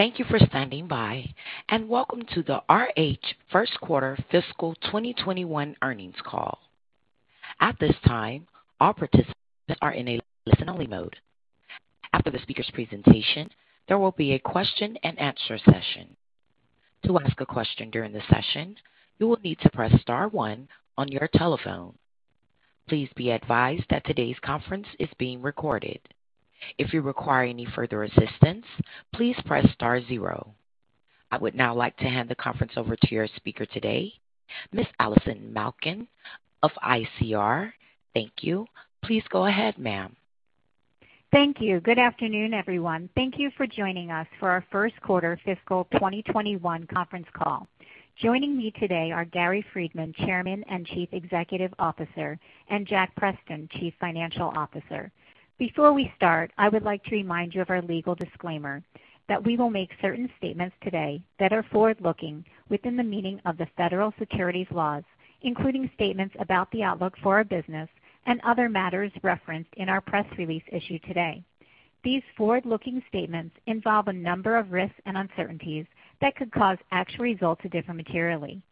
Thank you for standing by and welcome to RH first quarter fiscal 2021 earnings call. At this time, all participants are in a listen-only mode. After the speaker's presentation, there will be a question and answer session. To ask a question during the session, you will need to press star one on your telephone. Please be advised that today's conference is being recorded. If you require any further assistance, please press star zero. Would now like to hand the conference over to your speaker today, Ms. Allison Malkin of ICR. Thank you. Please go ahead, ma'am. Thank you. Good afternoon, everyone. Thank you for joining us for our first quarter fiscal 2021 conference call. Joining me today are Gary Friedman, Chairman and Chief Executive Officer, and Jack Preston, Chief Financial Officer. Before we start, I would like to remind you of our legal disclaimer that we will make certain statements today that are forward-looking within the meaning of the federal securities laws, including statements about the outlook for our business and other matters referenced in our press release issued today. These forward-looking statements involve a number of risks and uncertainties that could cause actual results to differ materially.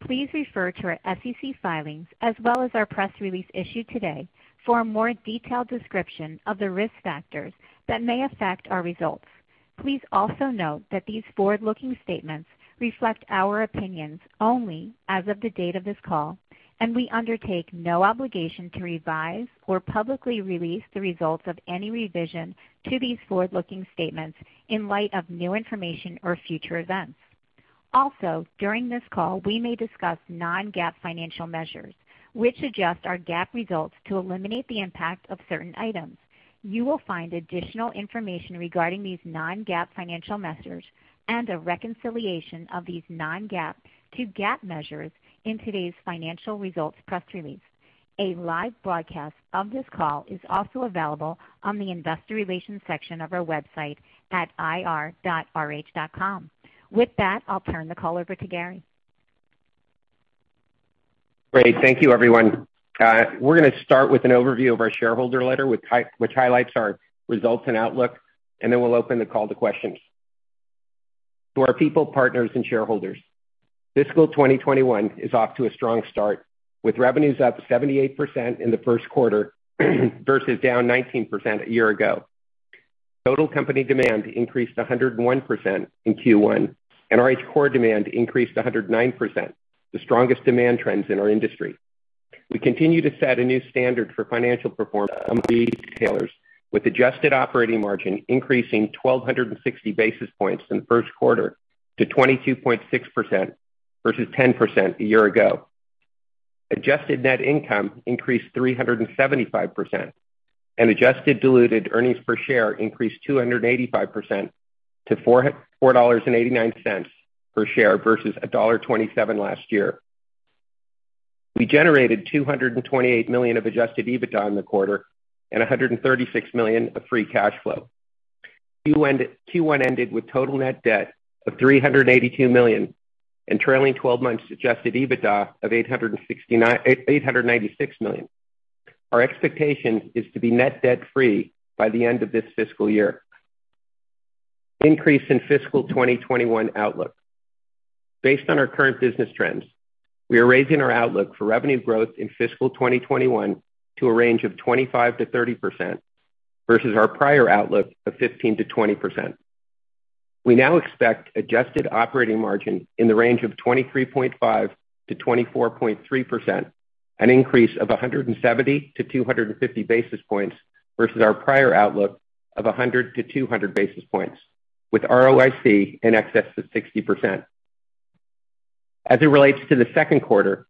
Please refer to our SEC filings as well as our press release issued today for a more detailed description of the risk factors that may affect our results. Please also note that these forward-looking statements reflect our opinions only as of the date of this call, and we undertake no obligation to revise or publicly release the results of any revision to these forward-looking statements in light of new information or future events. Also, during this call, we may discuss non-GAAP financial measures, which adjust our GAAP results to eliminate the impact of certain items. You will find additional information regarding these non-GAAP financial measures and a reconciliation of these non-GAAP to GAAP measures in today's financial results press release. A live broadcast of this call is also available on the Investor Relations section of our website at ir.rh.com. With that, I'll turn the call over to Gary. Great. Thank you, everyone. We're going to start with an overview of our shareholder letter, which highlights our results and outlook, and then we'll open the call to questions. To our people, partners, and shareholders, fiscal 2021 is off to a strong start, with revenues up 78% in the first quarter versus down 19% a year ago. Total company demand increased 101% in Q1, and RH core demand increased 109%, the strongest demand trends in our industry. We continue to set a new standard for financial performance among retailers, with adjusted operating margin increasing 1,260 basis points in the first quarter to 22.6% versus 10% a year ago. Adjusted net income increased 375%, and adjusted diluted earnings per share increased 285% to $4.89 per share versus $1.27 last year. We generated $228 million of adjusted EBITDA in the quarter and $136 million of free cash flow. Q1 ended with total net debt of $382 million and trailing 12 months adjusted EBITDA of $896 million. Our expectation is to be net debt-free by the end of this fiscal year. Increase in fiscal 2021 outlook. Based on our current business trends, we are raising our outlook for revenue growth in fiscal 2021 to a range of 25%-30% versus our prior outlook of 15%-20%. We now expect adjusted operating margin in the range of 23.5%-24.3%, an increase of 170 basis points-250 basis points versus our prior outlook of 100 basis points-200 basis points, with ROIC in excess of 60%. As it relates to the second quarter,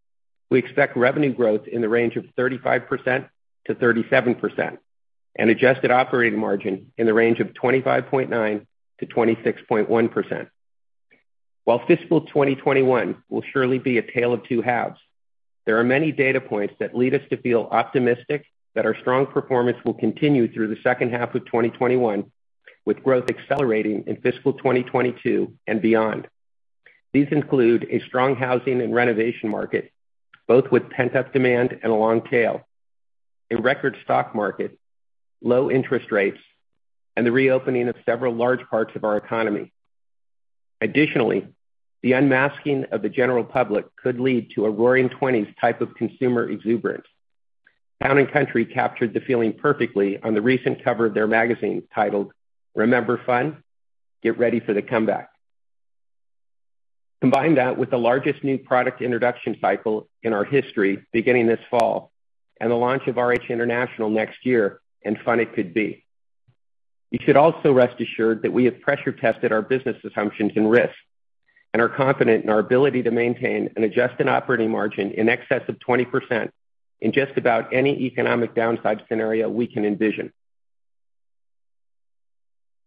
we expect revenue growth in the range of 35%-37% and adjusted operating margin in the range of 25.9%-26.1%. While fiscal 2021 will surely be a tale of two halves, there are many data points that lead us to feel optimistic that our strong performance will continue through the second half of 2021, with growth accelerating in fiscal 2022 and beyond. These include a strong housing and renovation market, both with pent-up demand and a long tail, a record stock market, low interest rates, and the reopening of several large parts of our economy. Additionally, the unmasking of the general public could lead to a Roaring Twenties type of consumer exuberance. Town & Country captured the feeling perfectly on the recent cover of their magazine titled, "Remember Fun? Get Ready for the Comeback." Combine that with the largest new product introduction cycle in our history beginning this fall and the launch of RH International next year, and fun it could be. You should also rest assured that we have pressure-tested our business assumptions and risks and are confident in our ability to maintain an adjusted operating margin in excess of 20% in just about any economic downside scenario we can envision.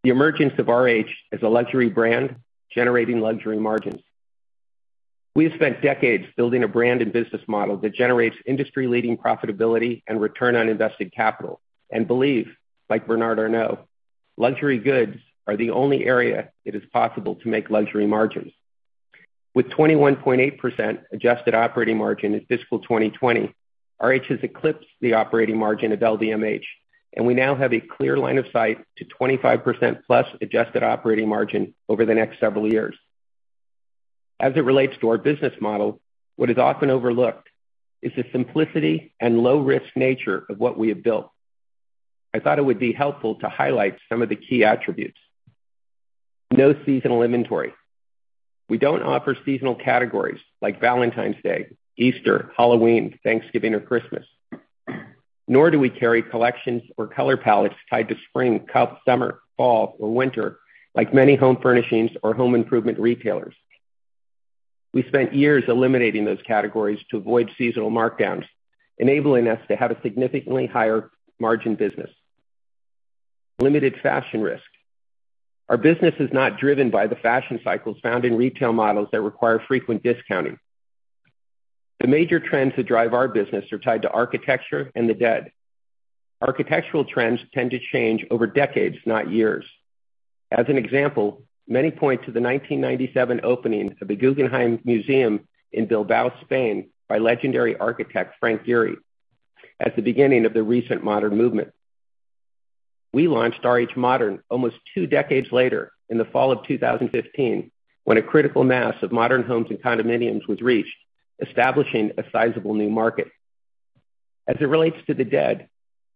The emergence of RH as a luxury brand generating luxury margins. We've spent decades building a brand and business model that generates industry-leading profitability and return on invested capital, and believe, like Bernard Arnault, luxury goods are the only area it is possible to make luxury margins. With 21.8% adjusted operating margin in fiscal 2020, RH has eclipsed the operating margin of LVMH, and we now have a clear line of sight to 25%+ adjusted operating margin over the next several years. As it relates to our business model, what is often overlooked is the simplicity and low-risk nature of what we have built. I thought it would be helpful to highlight some of the key attributes. No seasonal inventory. We don't offer seasonal categories like Valentine's Day, Easter, Halloween, Thanksgiving, or Christmas, nor do we carry collections or color palettes tied to spring, summer, fall, or winter, like many home furnishings or home improvement retailers. We spent years eliminating those categories to avoid seasonal markdowns, enabling us to have a significantly higher margin business. Limited fashion risk. Our business is not driven by the fashion cycles found in retail models that require frequent discounting. The major trends that drive our business are tied to architecture and design. Architectural trends tend to change over decades, not years. As an example, many point to the 1997 opening of the Guggenheim Museum in Bilbao, Spain, by legendary architect Frank Gehry at the beginning of the recent modern movement. We launched RH Modern almost two decades later in the fall of 2015, when a critical mass of modern homes and condominiums was reached, establishing a sizable new market. As it relates to the dead,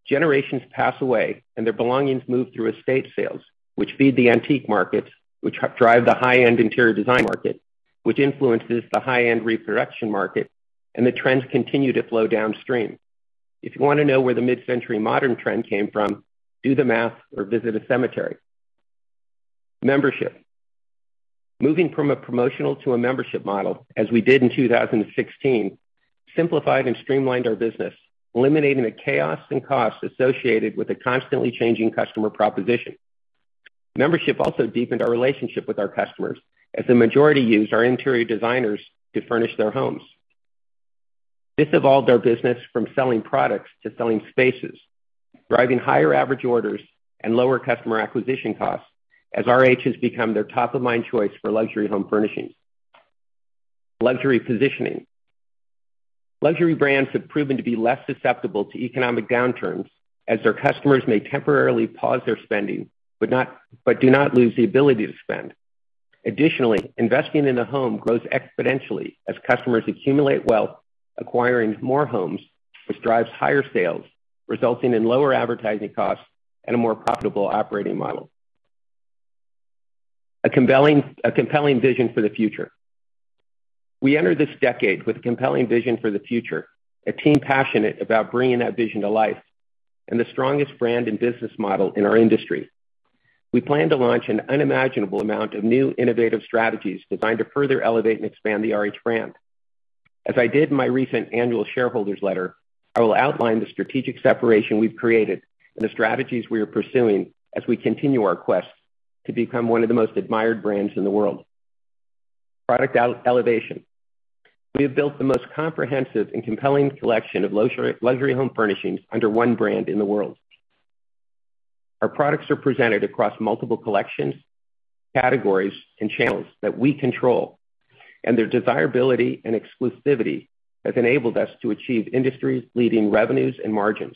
generations pass away and their belongings move through estate sales, which feed the antique markets, which drive the high-end interior design market, which influences the high-end reproduction market, the trends continue to flow downstream. If you want to know where the mid-century modern trend came from, do the math or visit a cemetery. Membership. Moving from a promotional to a membership model, as we did in 2016, simplified and streamlined our business, eliminating the chaos and costs associated with a constantly changing customer proposition. Membership also deepened our relationship with our customers, as the majority used our interior designers to furnish their homes. This evolved our business from selling products to selling spaces, driving higher average orders and lower customer acquisition costs as RH has become their top-of-mind choice for luxury home furnishings. Luxury positioning. Luxury brands have proven to be less susceptible to economic downturns, as their customers may temporarily pause their spending, but do not lose the ability to spend. Additionally, investing in a home grows exponentially as customers accumulate wealth, acquiring more homes, which drives higher sales, resulting in lower advertising costs and a more profitable operating model. A compelling vision for the future. We enter this decade with a compelling vision for the future, a team passionate about bringing that vision to life, and the strongest brand and business model in our industry. We plan to launch an unimaginable amount of new innovative strategies designed to further elevate and expand the RH brand. As I did in my recent annual shareholders letter, I will outline the strategic separation we've created and the strategies we are pursuing as we continue our quest to become one of the most admired brands in the world. Product elevation. We have built the most comprehensive and compelling selection of luxury home furnishings under one brand in the world. Our products are presented across multiple collections, categories, and channels that we control, and their desirability and exclusivity have enabled us to achieve industry-leading revenues and margins.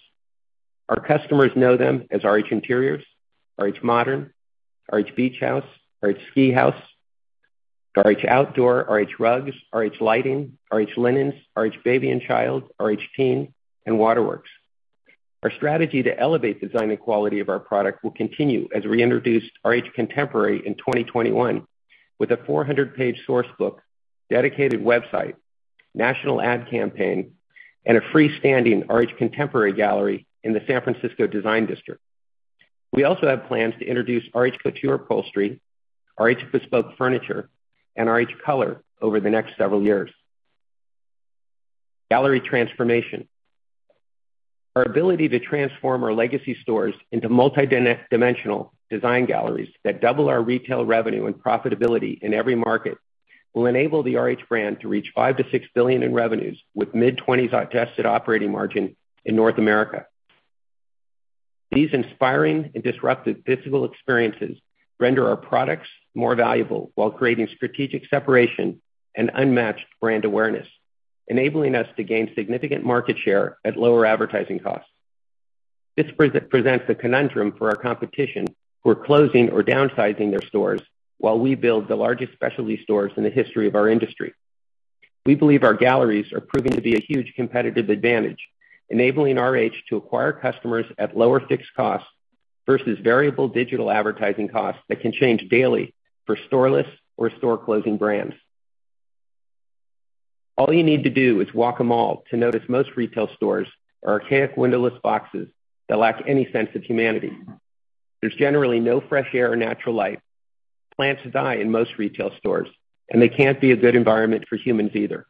Our customers know them as RH Interiors, RH Modern, RH Beach House, RH Ski House, RH Outdoor, RH Rugs, RH Lighting, RH Linens, RH Baby & Child, RH TEEN, and Waterworks. Our strategy to elevate design and quality of our product will continue as we introduced RH Contemporary in 2021 with a 400-page source book, dedicated website, national ad campaign, and a freestanding RH Contemporary gallery in the San Francisco Design District. We also have plans to introduce RH Couture Upholstery, RH Bespoke Furniture, and RH Color over the next several years. Gallery transformation. Our ability to transform our legacy stores into multi-dimensional design galleries that double our retail revenue and profitability in every market will enable the RH brand to reach $5 billion-$6 billion in revenues, with mid-20s% adjusted operating margin in North America. These inspiring and disruptive physical experiences render our products more valuable while creating strategic separation and unmatched brand awareness, enabling us to gain significant market share at lower advertising costs. This presents a conundrum for our competition, who are closing or downsizing their stores while we build the largest specialty stores in the history of our industry. We believe our galleries are proving to be a huge competitive advantage, enabling RH to acquire customers at lower fixed costs versus variable digital advertising costs that can change daily for storeless or store-closing brands. All you need to do is walk a mall to notice most retail stores are archaic windowless boxes that lack any sense of humanity. There's generally no fresh air or natural light. Plants die in most retail stores, and they can't be a good environment for humans either.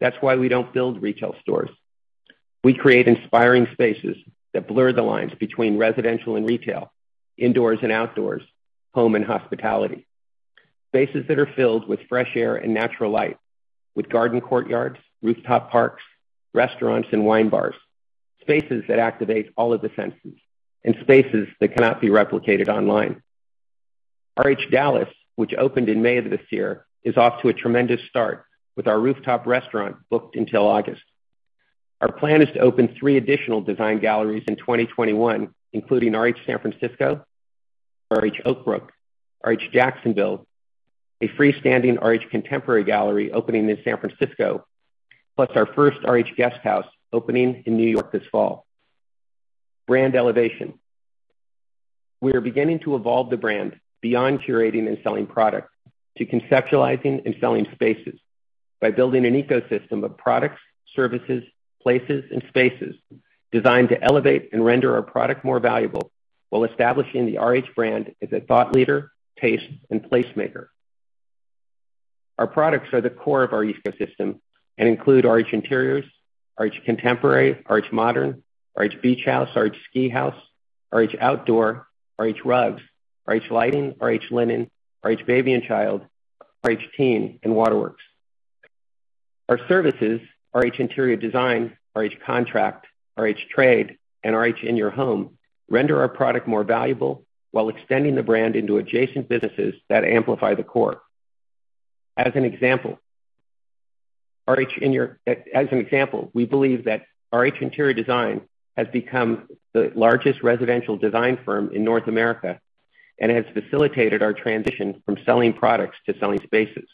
That's why we don't build retail stores. We create inspiring spaces that blur the lines between residential and retail, indoors and outdoors, home and hospitality. Spaces that are filled with fresh air and natural light. With garden courtyards, rooftop parks, restaurants, and wine bars. Spaces that activate all of the senses and spaces that cannot be replicated online. RH Dallas, which opened in May of this year, is off to a tremendous start with our rooftop restaurant booked until August. Our plan is to open three additional design galleries in 2021, including RH San Francisco, RH Oak Brook, RH Jacksonville, a freestanding RH Contemporary gallery opening in San Francisco, plus our first RH Guesthouse opening in New York this fall. Brand elevation. We are beginning to evolve the brand beyond curating and selling product to conceptualizing and selling spaces by building an ecosystem of products, services, places, and spaces designed to elevate and render our product more valuable while establishing the RH brand as a thought leader, taste, and place maker. Our products are the core of our ecosystem and include RH Interiors, RH Contemporary, RH Modern, RH Beach House, RH Ski House, RH Outdoor, RH Rugs, RH Lighting, RH Linen, RH Baby & Child, RH TEEN, and Waterworks. Our services, RH Interior Design, RH Contract, RH Trade, and RH In-Your-Home render our product more valuable while extending the brand into adjacent businesses that amplify the core. As an example, we believe that RH Interior Design has become the largest residential design firm in North America and has facilitated our transition from selling products to selling spaces.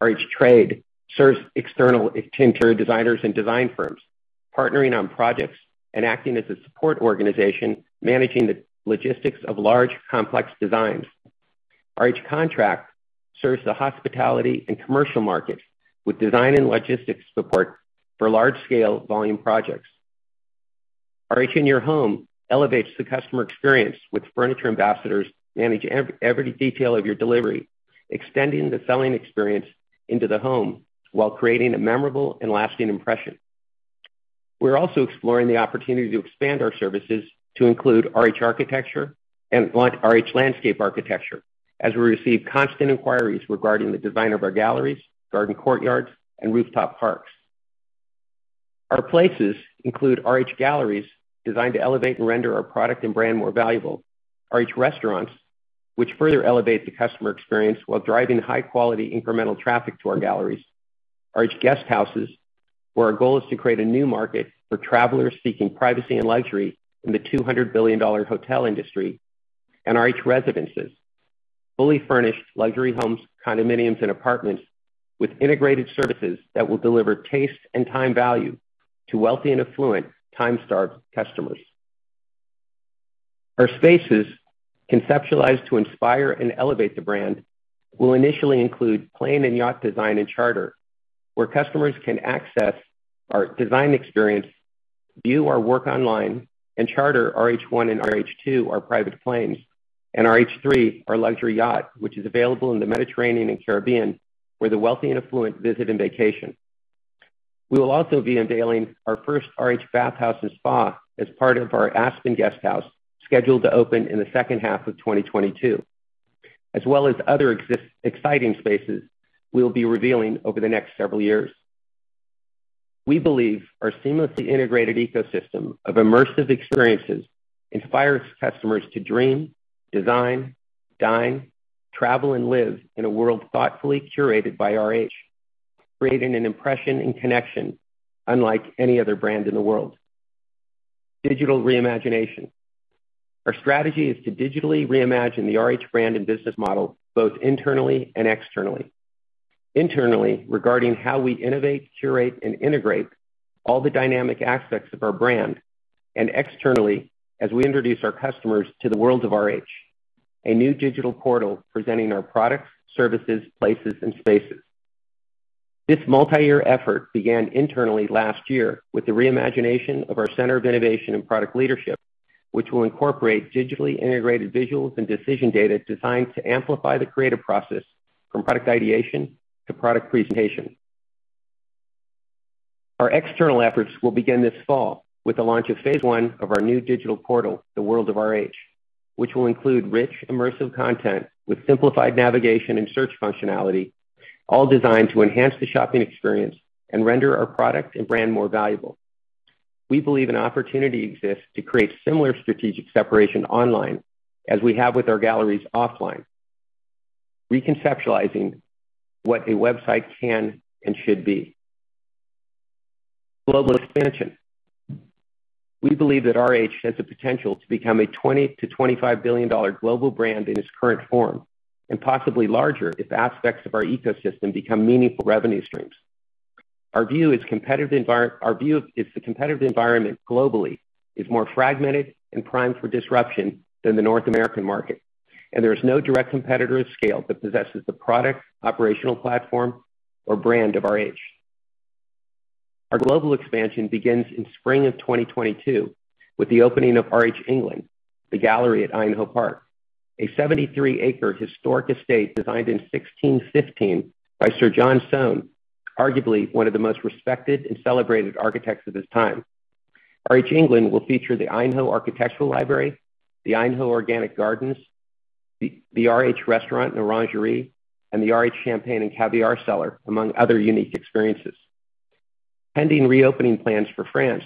RH Trade serves external interior designers and design firms, partnering on projects and acting as a support organization managing the logistics of large, complex designs. RH Contract serves the hospitality and commercial markets with design and logistics support for large-scale volume projects. RH In-Your-Home elevates the customer experience with furniture ambassadors managing every detail of your delivery, extending the selling experience into the home while creating a memorable and lasting impression. We're also exploring the opportunity to expand our services to include RH Architecture and RH Landscape Architecture, as we receive constant inquiries regarding the design of our galleries, garden courtyards, and rooftop parks. Our places include RH Galleries, designed to elevate and render our product and brand more valuable. RH Restaurants, which further elevate the customer experience while driving high-quality incremental traffic to our galleries. RH Guesthouses, where our goal is to create a new market for travelers seeking privacy and luxury in the $200 billion hotel industry. RH Residences, fully furnished luxury homes, condominiums, and apartments with integrated services that will deliver taste and time value to wealthy and affluent time-starved customers. Our spaces, conceptualized to inspire and elevate the brand, will initially include plane and yacht design and charter, where customers can access our design experience, view our work online, and charter RH ONE and RH TWO, our private planes, and RH THREE, our luxury yacht, which is available in the Mediterranean and Caribbean, where the wealthy and affluent visit and vacation. We will also be unveiling our first RH Bath House & Spa as part of our RH Guesthouse Aspen, scheduled to open in the second half of 2022, as well as other exciting spaces we'll be revealing over the next several years. We believe our seamlessly integrated ecosystem of immersive experiences inspires customers to dream, design, dine, travel, and live in a world thoughtfully curated by RH, creating an impression and connection unlike any other brand in the world. Digital reimagination. Our strategy is to digitally reimagine the RH brand and business model, both internally and externally. Internally, regarding how we innovate, curate, and integrate all the dynamic aspects of our brand, and externally, as we introduce our customers to The World of RH, a new digital portal presenting our products, services, places, and spaces. This multi-year effort began internally last year with the reimagination of our Center of Innovation and Product Leadership, which will incorporate digitally integrated visuals and decision data designed to amplify the creative process from product ideation to product presentation. Our external efforts will begin this fall with the launch of phase one of our new digital portal, The World of RH, which will include rich, immersive content with simplified navigation and search functionality, all designed to enhance the shopping experience and render our product and brand more valuable. We believe an opportunity exists to create similar strategic separation online as we have with our galleries offline, reconceptualizing what a website can and should be. Global expansion. We believe that RH has the potential to become a $20 billion-$25 billion global brand in its current form, and possibly larger if aspects of our ecosystem become meaningful revenue streams. Our view is the competitive environment globally is more fragmented and primed for disruption than the North American market, and there is no direct competitor of scale that possesses the product, operational platform, or brand of RH. Our global expansion begins in spring of 2022 with the opening of RH England, The Gallery at Aynho Park, a 73-acre historic estate designed in 1615 by Sir John Soane, arguably one of the most respected and celebrated architects of his time. RH England will feature the Aynho Architectural Library, the Aynho Organic Gardens, the RH Restaurant, The Orangery, and the RH Champagne & Caviar Cellar, among other unique experiences. Pending reopening plans for France,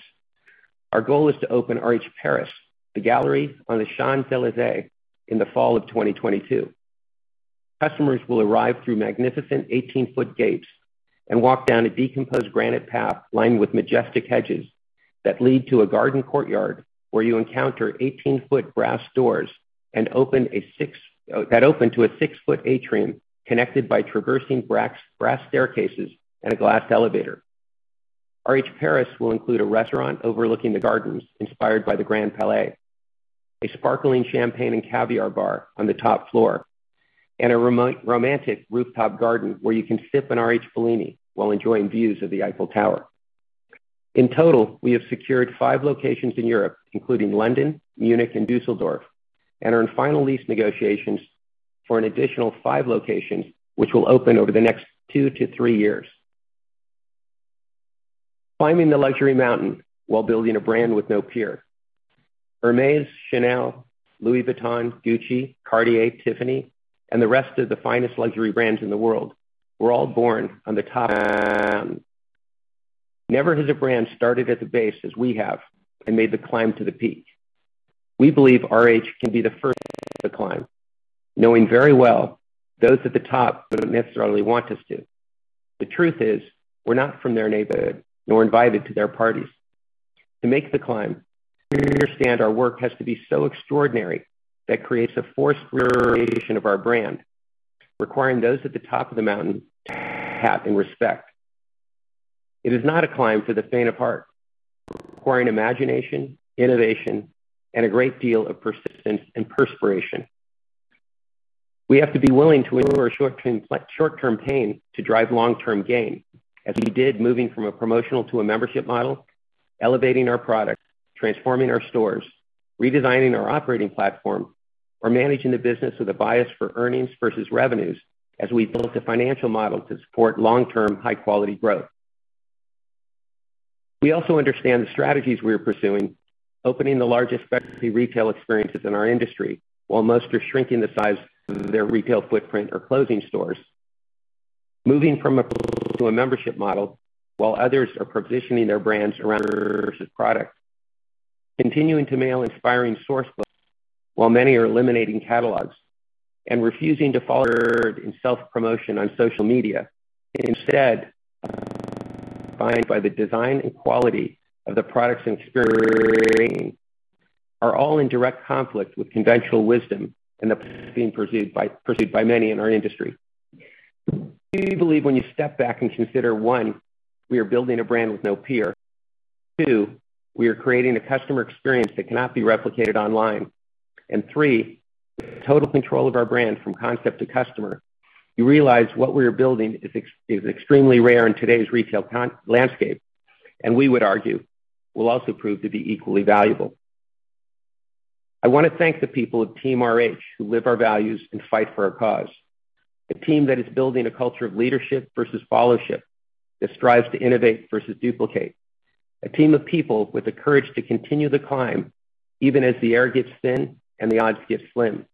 our goal is to open RH Paris, the gallery on the Champs-Élysées, in the fall of 2022. Customers will arrive through magnificent 18-ft gates and walk down a decomposed granite path lined with majestic hedges that lead to a garden courtyard where you encounter 18-foot brass doors that open to a six-foot atrium connected by traversing brass staircases and a glass elevator. RH Paris will include a restaurant overlooking the gardens inspired by the Grand Palais, a sparkling Champagne & Caviar Bar on the top floor, and a romantic rooftop garden where you can sip an RH Bellini while enjoying views of the Eiffel Tower. In total, we have secured five locations in Europe, including London, Munich, and Dusseldorf, and are in final lease negotiations for an additional five locations, which will open over the next 2-3 years. Climbing the luxury mountain while building a brand with no peer. Hermès, Chanel, Louis Vuitton, Gucci, Cartier, Tiffany & Co., and the rest of the finest luxury brands in the world were all born on the top of the mountain. Never has a brand started at the base as we have and made the climb to the peak. We believe RH can be the first to make the climb, knowing very well those at the top don't necessarily want us to. The truth is, we're not from their neighborhood, nor invited to their parties. To make the climb, we understand our work has to be so extraordinary that it creates a force for the creation of our brand, requiring those at the top of the mountain to take notice, have respect. It is not a climb for the faint of heart, requiring imagination, innovation, and a great deal of persistence and perspiration. We have to be willing to endure short-term pain to drive long-term gain, as we did moving from a promotional to a membership model, elevating our product, transforming our stores, redesigning our operating platform, or managing the business with a bias for earnings versus revenues as we built a financial model to support long-term, high-quality growth. We also understand the strategies we are pursuing, opening the largest specialty retail experiences in our industry while most are shrinking the size of their retail footprint or closing stores. Moving from a promotional to a membership model while others are positioning their brands around lesser products. Continuing to mail inspiring source books while many are eliminating catalogs, and refusing to follow the herd in self-promotion on social media, instead relying on the design and quality of the products and experiences we are creating, are all in direct conflict with conventional wisdom and the path being pursued by many in our industry. We believe when you step back and consider, one, we are building a brand with no peer, two, we are creating a customer experience that cannot be replicated online, and three, we have total control of our brand from concept to customer. You realize what we are building is extremely rare in today's retail landscape, and we would argue, will also prove to be equally valuable. I want to thank the people of Team RH who live our values and fight for our cause. A team that is building a culture of leadership versus followership, that strives to innovate versus duplicate. A team of people with the courage to continue the climb even as the air gets thin and the odds get slim.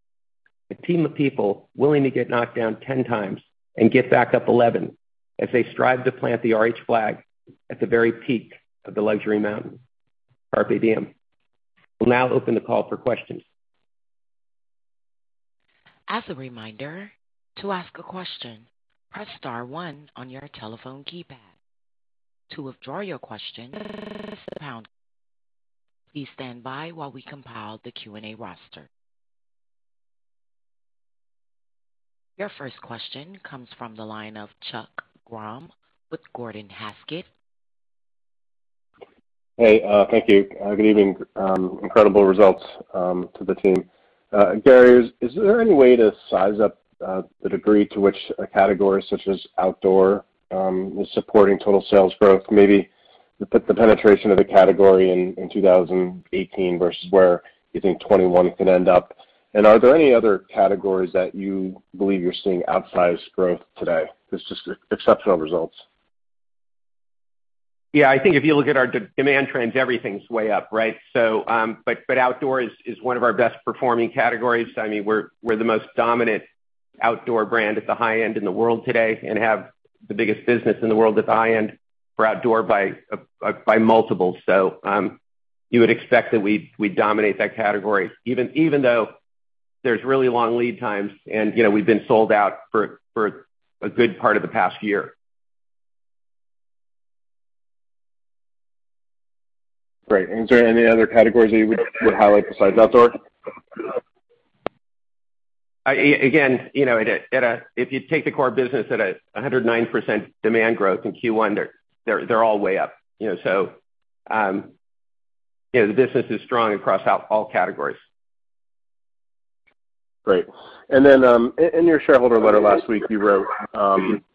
A team of people willing to get knocked down 10 times and get back up 11 as they strive to plant the RH flag at the very peak of the luxury mountain. We'll now open the call for questions. As a reminder, to ask a question, press star one on your telephone keypad. To withdraw your question, press the pound key. Please stand by while we compile the Q&A roster. Your first question comes from the line of Chuck Grom with Gordon Haskett. Hey, thank you. An incredible results to the team. Gary, is there any way to size up the degree to which a category such as outdoor is supporting total sales growth? Maybe the penetration of the category in 2018 versus where you think 2021 could end up. Are there any other categories that you believe you're seeing outsized growth today? This is exceptional results. Yeah, I think if you look at our demand trends, everything's way up, right? Outdoor is one of our best-performing categories. We're the most dominant outdoor brand at the high end in the world today and have the biggest business in the world at the high end for outdoor by multiple. You would expect that we'd dominate that category, even though there's really long lead times, and we've been sold out for a good part of the past year. Great. Are there any other categories that you would highlight besides outdoor? If you take the core business at 109% demand growth in Q1, they're all way up. The business is strong across all categories. Great. In your shareholder letter last week, you wrote,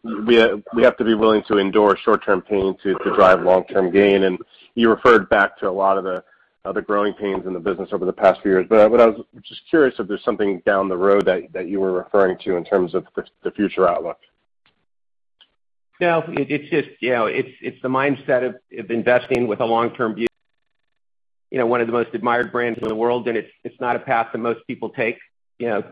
"We have to be willing to endure short-term pain to drive long-term gain." You referred back to a lot of the growing pains in the business over the past few years. I was just curious if there's something down the road that you were referring to in terms of the future outlook. It's the mindset of investing with a long-term view, one of the most admired brands in the world, and it's not a path that most people take. Most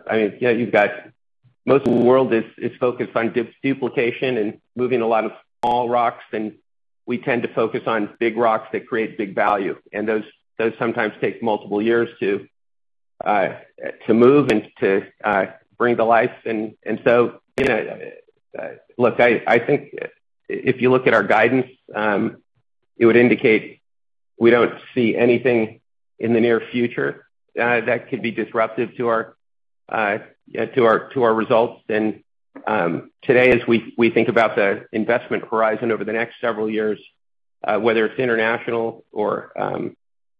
of the world is focused on duplication and moving a lot of small rocks, and we tend to focus on big rocks that create big value. Those sometimes take multiple years to move and to bring to life. Look, I think if you look at our guidance, it would indicate we don't see anything in the near future that could be disruptive to our results. And today, as we think about the investment horizon over the next several years, whether it's international or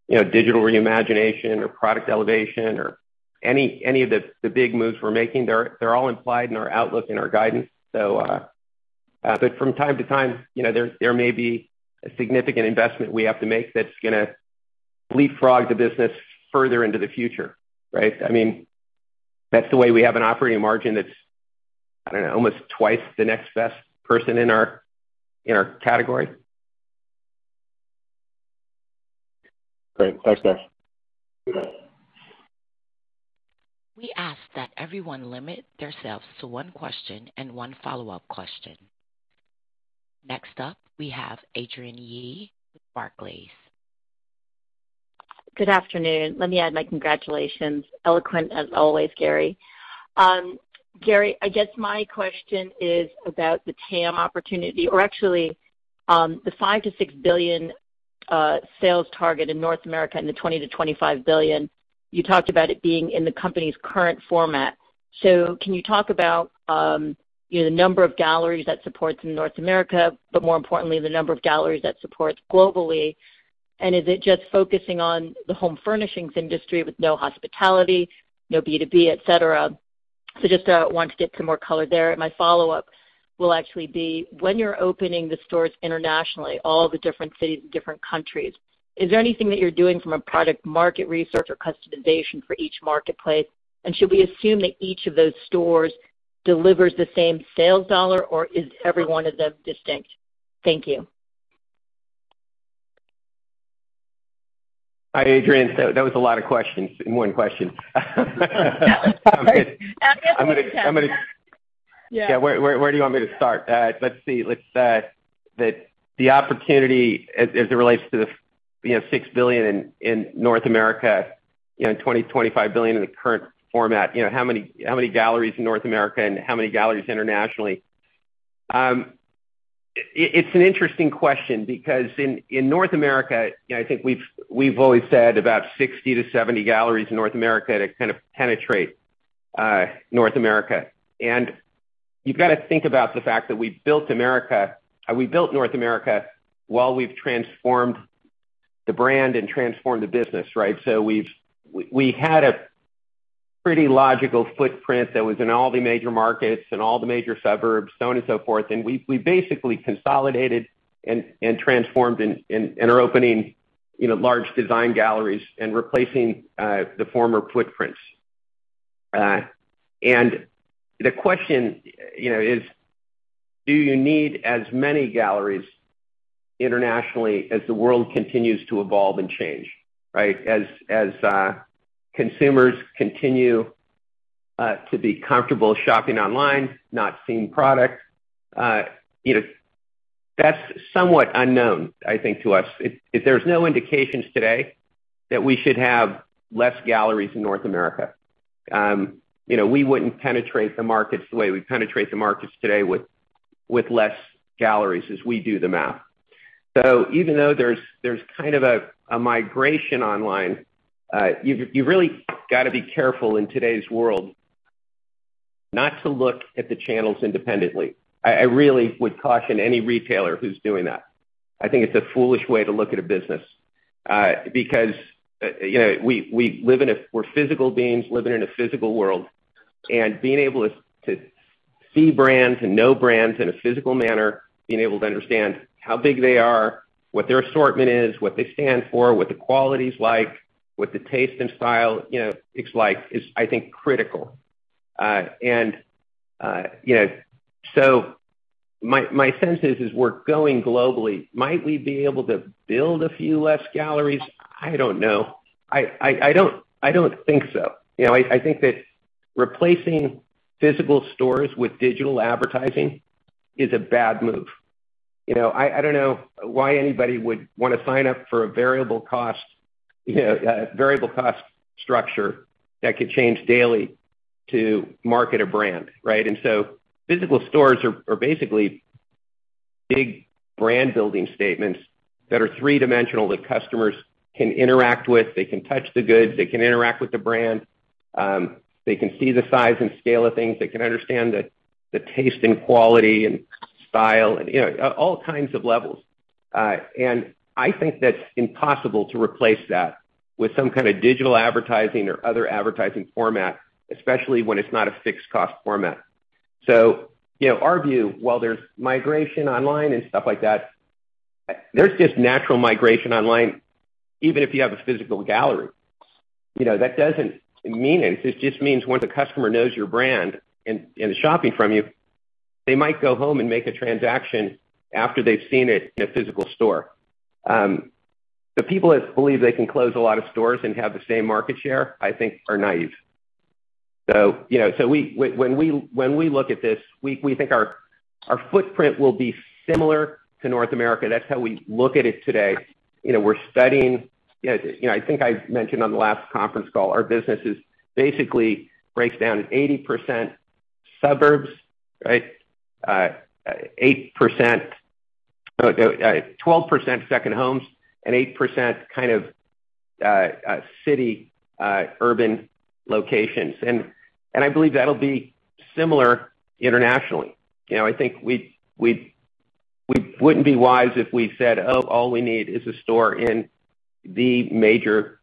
digital reimagination or product elevation or any of the big moves we're making, they're all implied in our outlook and our guidance. From time to time, there may be a significant investment we have to make that's going to leapfrog the business further into the future, right? That's the way we have an operating margin that's, I don't know, almost twice the next best person in our category. Great. Thanks, Gary. We ask that everyone limit themselves to one question and one follow-up question. Next up, we have Adrienne Yih with Barclays. Good afternoon. Let me add my congratulations. Eloquent as always, Gary. Gary, I guess my question is about the TAM opportunity, or actually, the $5 billion-$6 billion sales target in North America and the $20 billion-$25 billion, you talked about it being in the company's current format. Can you talk about the number of galleries that supports in North America, but more importantly, the number of galleries that supports globally? Is it just focusing on the home furnishings industry with no hospitality, no B2B, et cetera? Just at once get some more color there. My follow-up will actually be, when you're opening the stores internationally, all the different cities and different countries, is there anything that you're doing from a product market research or customization for each marketplace? Should we assume that each of those stores delivers the same sales dollar, or is every one of them distinct? Thank you. Hi, Adrienne. That was a lot of questions in one question. Yeah. Where do you want me to start? Let's see. The opportunity as it relates to the $6 billion in North America, $20 billion-$25 billion in the current format, how many galleries in North America and how many galleries internationally? It's an interesting question because in North America, I think we've always said about 60 galleries-70 galleries in North America to kind of penetrate North America. You've got to think about the fact that we built North America while we've transformed the brand and transformed the business, right? We had a pretty logical footprint that was in all the major markets and all the major suburbs, so on and so forth, and we basically consolidated and transformed, and are opening large design galleries and replacing the former footprints. The question is, do you need as many galleries internationally as the world continues to evolve and change, right? As consumers continue to be comfortable shopping online, not seeing product. That's somewhat unknown, I think, to us. There's no indications today that we should have less galleries in North America. We wouldn't penetrate the markets the way we penetrate the markets today with less galleries as we do the math. Even though there's kind of a migration online, you've really got to be careful in today's world not to look at the channels independently. I really would caution any retailer who's doing that. I think it's a foolish way to look at a business, because we're physical beings living in a physical world, and being able to see brands and know brands in a physical manner, being able to understand how big they are, what their assortment is, what they stand for, what the quality is like, what the taste and style is like, is, I think, critical. My sense is, as we're going globally, might we be able to build a few less galleries? I don't know. I don't think so. I think that replacing physical stores with digital advertising is a bad move. I don't know why anybody would want to sign up for a variable cost structure that could change daily to market a brand, right? Physical stores are basically big brand-building statements that are three-dimensional, that customers can interact with. They can touch the goods, they can interact with the brand, they can see the size and scale of things. They can understand the taste and quality and style and all kinds of levels. I think that's impossible to replace that with some kind of digital advertising or other advertising format, especially when it's not a fixed cost format. Our view, while there's migration online and stuff like that, there's just natural migration online, even if you have a physical gallery. That doesn't mean it. It just means once a customer knows your brand and is shopping from you, they might go home and make a transaction after they've seen it in a physical store. People that believe they can close a lot of stores and have the same market share, I think are naive. Yeah, when we look at this, we think our footprint will be similar to North America. That's how we look at it today. We're studying I think I mentioned on the last conference call, our business is basically breaks down 80% suburbs, 12% second homes, and 8% city, urban locations. I believe that'll be similar internationally. I think we wouldn't be wise if we said, "Oh, all we need is a store in the major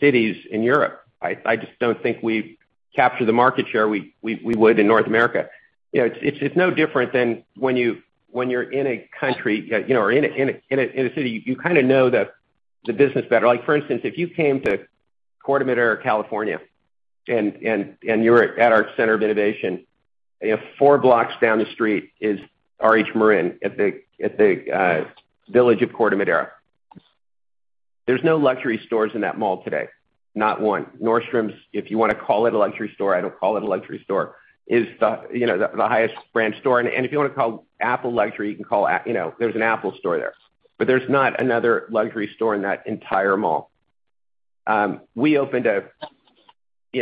cities in Europe." I just don't think we'd capture the market share we would in North America. It's no different than when you're in a country, or in a city, you kind of know the business better. For instance, if you came to Corte Madera, California, and you're at our Center of Innovation, four blocks down the street is RH Marin at the Village of Corte Madera. There's no luxury stores in that mall today, not one. Nordstrom's, if you want to call it a luxury store, I don't call it a luxury store, is the highest brand store. If you want to call Apple luxury, there's an Apple store there, but there's not another luxury store in that entire mall. We opened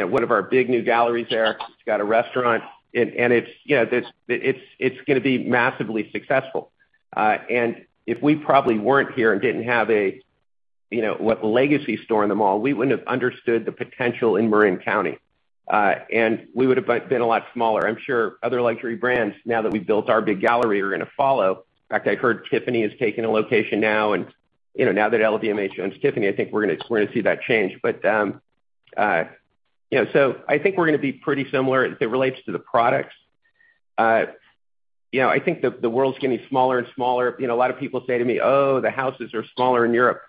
one of our big new galleries there. It's got a restaurant, and it's going to be massively successful. If we probably weren't here and didn't have a legacy store in the mall, we wouldn't have understood the potential in Marin County. We would've been a lot smaller. I'm sure other luxury brands, now that we built our big gallery, are going to follow. In fact, I heard Tiffany is taking a location now, and now that LVMH owns Tiffany, I think we're going to see that change. I think we're going to be pretty similar as it relates to the products. I think the world's getting smaller and smaller. A lot of people say to me, "Oh, the houses are smaller in Europe."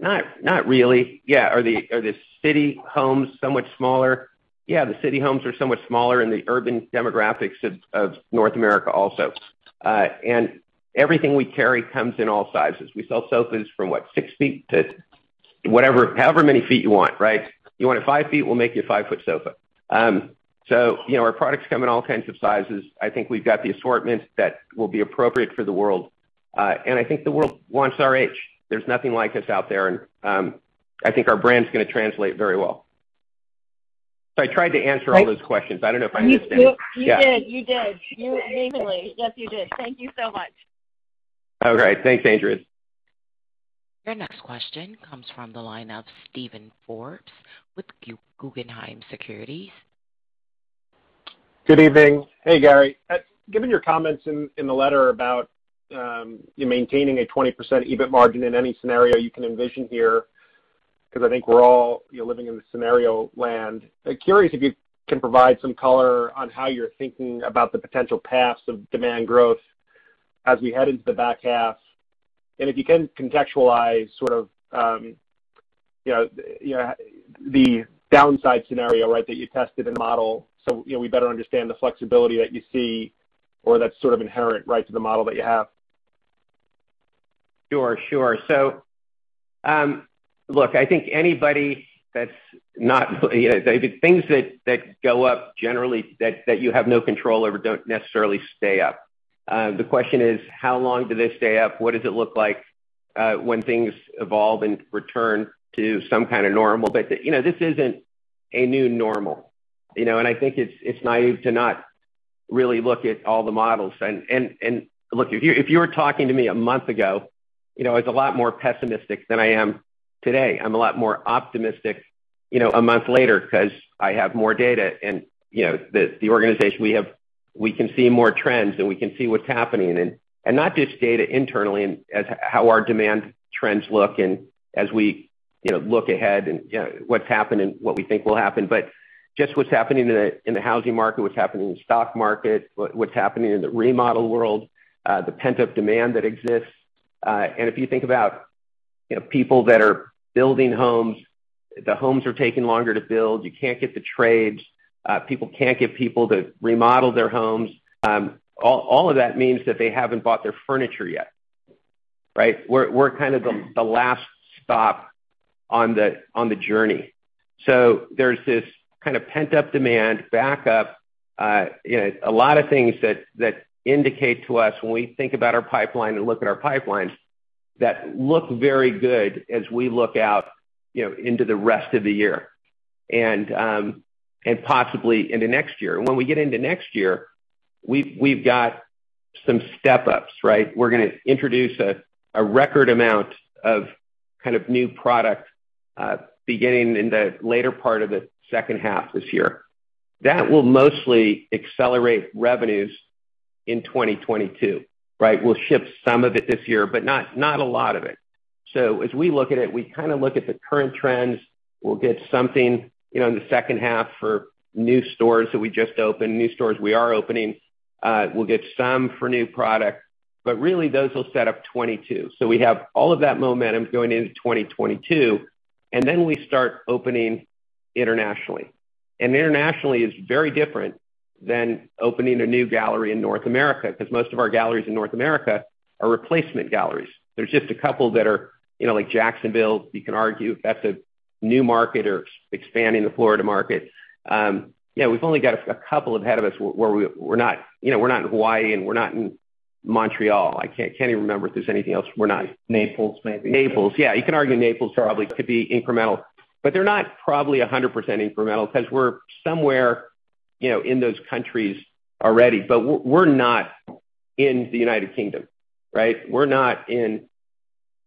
Not really. Yeah. Are the city homes so much smaller? Yeah, the city homes are so much smaller and the urban demographics of North America also. Everything we carry comes in all sizes. We sell sofas from what, 6ft to however many feet you want, right? You want it 5ft, we'll make you a 5-foot sofa. Our products come in all kinds of sizes. I think we've got the assortments that will be appropriate for the world. I think the world wants RH. There's nothing like us out there, and I think our brand's going to translate very well. I tried to answer all those questions. I don't know if I did. You did. Yeah. You did. Easily. Yep, you did. Thank you so much. Okay. Thanks, Adrienne. Your next question comes from the line of Steven Forbes with Guggenheim Securities. Good evening. Hey, Gary. Given your comments in the letter about maintaining a 20% EBIT margin in any scenario you can envision here, because I think we're all living in the scenario land. Curious if you can provide some color on how you're thinking about the potential paths of demand growth as we head into the back half? If you can contextualize the downside scenario that you tested in the model, so we better understand the flexibility that you see or that's inherent to the model that you have? Sure. Look, I think the things that go up generally that you have no control over don't necessarily stay up. The question is, how long do they stay up? What does it look like when things evolve and return to some kind of normal? This isn't a new normal. I think it's naive to not really look at all the models. Look, if you were talking to me a month ago, I was a lot more pessimistic than I am today. I'm a lot more optimistic a month later because I have more data, and the organization, we can see more trends, and we can see what's happening. Not just data internally and how our demand trends look, and as we look ahead and what's happened and what we think will happen, but just what's happening in the housing market, what's happening in the stock market, what's happening in the remodel world, the pent-up demand that exists. If you think about people that are building homes, the homes are taking longer to build. You can't get the trades. People can't get people to remodel their homes. All of that means that they haven't bought their furniture yet, right? We're kind of the last stop on the journey. There's this kind of pent-up demand, backup, a lot of things that indicate to us when we think about our pipeline and look at our pipelines that look very good as we look out into the rest of the year and possibly into next year. When we get into next year, we've got some step-ups, right. We're going to introduce a record amount of new product beginning in the later part of the second half this year. That will mostly accelerate revenues in 2022. Right. We'll ship some of it this year, but not a lot of it. As we look at it, we kind of look at the current trends. We'll get something in the second half for new stores that we just opened, new stores we are opening. We'll get some for new product. Really, those will set up 2022. We have all of that momentum going into 2022, then we start opening internationally. Internationally is very different than opening a new Gallery in North America, because most of our Galleries in North America are replacement Galleries. There's just a couple that are like Jacksonville, you could argue that's a new market or expanding the Florida market. Yeah, we've only got a couple ahead of us where we're not in Hawaii and we're not in Montreal. I can't even remember if there's anything else we're not. Naples, maybe. Naples. Yeah, you could argue Naples probably could be incremental, but they're not probably 100% incremental because we're somewhere in those countries already. We're not in the United Kingdom, right? We're not in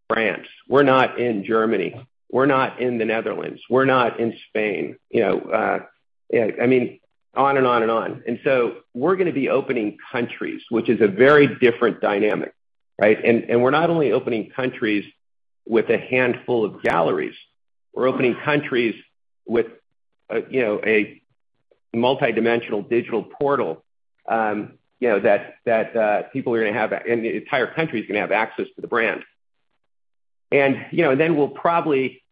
France. We're not in Germany. We're not in the Netherlands. We're not in Spain. On and on and on. We're going to be opening countries, which is a very different dynamic, right? We're not only opening countries with a handful of galleries. We're opening countries with a multi-dimensional digital portal that people are going to have, and the entire country is going to have access to the brand. We'll probably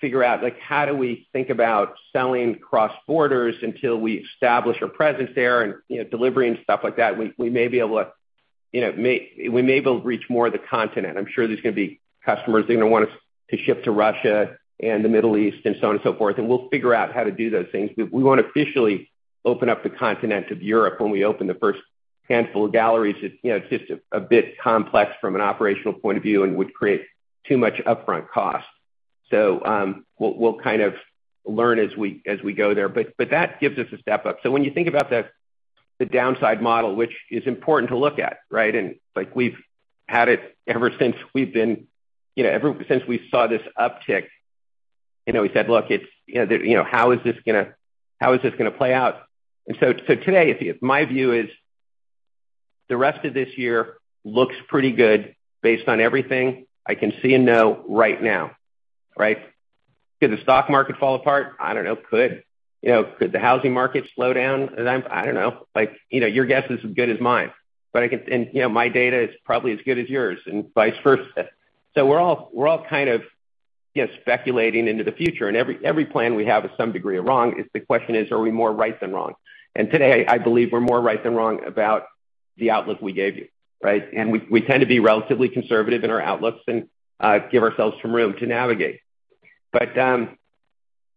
figure out how do we think about selling cross-borders until we establish a presence there and delivery and stuff like that. We may be able to reach more of the continent. I'm sure there's going to be customers that are going to want to ship to Russia and the Middle East and so on and so forth, and we'll figure out how to do those things. We won't officially open up the continent of Europe when we open the first handful of galleries. It's just a bit complex from an operational point of view and would create too much upfront cost. We'll learn as we go there, but that gives us a step up. When you think about the downside model, which is important to look at, right? We've had it ever since we saw this uptick, we said, "Look, how is this going to play out?" Today, my view is the rest of this year looks pretty good based on everything I can see and know right now, right? Could the stock market fall apart? I don't know. Could the housing market slow down? I don't know. Your guess is as good as mine, right? My data is probably as good as yours, and vice versa. We're all speculating into the future, and every plan we have is some degree wrong. The question is, are we more right than wrong? Today, I believe we're more right than wrong about the outlook we gave you, right? We tend to be relatively conservative in our outlooks and give ourselves some room to navigate.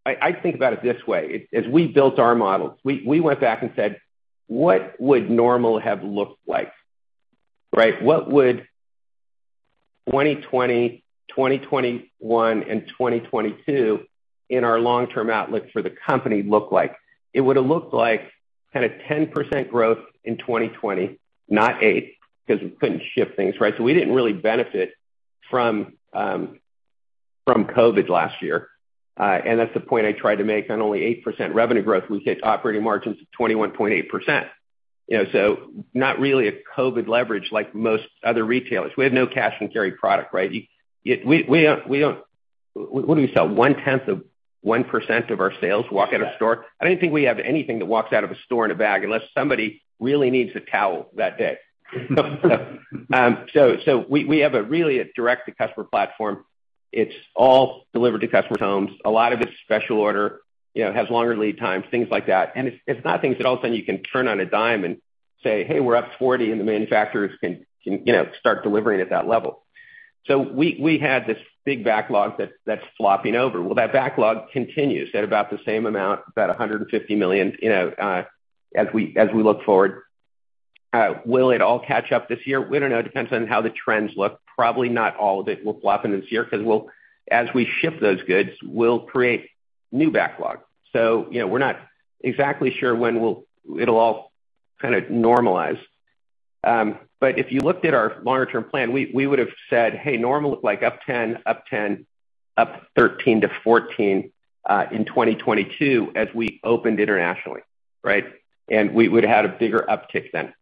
I think about it this way. As we built our models, we went back and said, "What would normal have looked like?" Right? What would 2020, 2021, and 2022 in our long-term outlook for the company look like? It would have looked like 10% growth in 2020, not 8%, because we couldn't ship things, right? We didn't really benefit from COVID last year. That's the point I tried to make. On only 8% revenue growth, we hit operating margins of 21.8%. Not really a COVID leverage like most other retailers. We have no cash and carry product, right? What do we sell, one-tenth of 1% of our sales walk out of the store? I don't think we have anything that walks out of a store in a bag unless somebody really needs a towel that day. We have really a direct-to-customer platform. It's all delivered to customers' homes. A lot of it's special order, has longer lead times, things like that. It's not the thing, all of a sudden, you can turn on a dime and say, "Hey, we're up 40%," and the manufacturers can start delivering at that level. We have this big backlog that's flopping over. That backlog continues at about the same amount, about $150 million as we look forward. Will it all catch up this year? We don't know. It depends on how the trends look. Probably not all of it will flop into this year because as we ship those goods, we'll create new backlog. We're not exactly sure when it'll all normalize. If you looked at our longer-term plan, we would've said, "Hey, normal looked like up 10%, up 13%-14% in 2022 as we opened internationally," right? We would've had a bigger uptick then.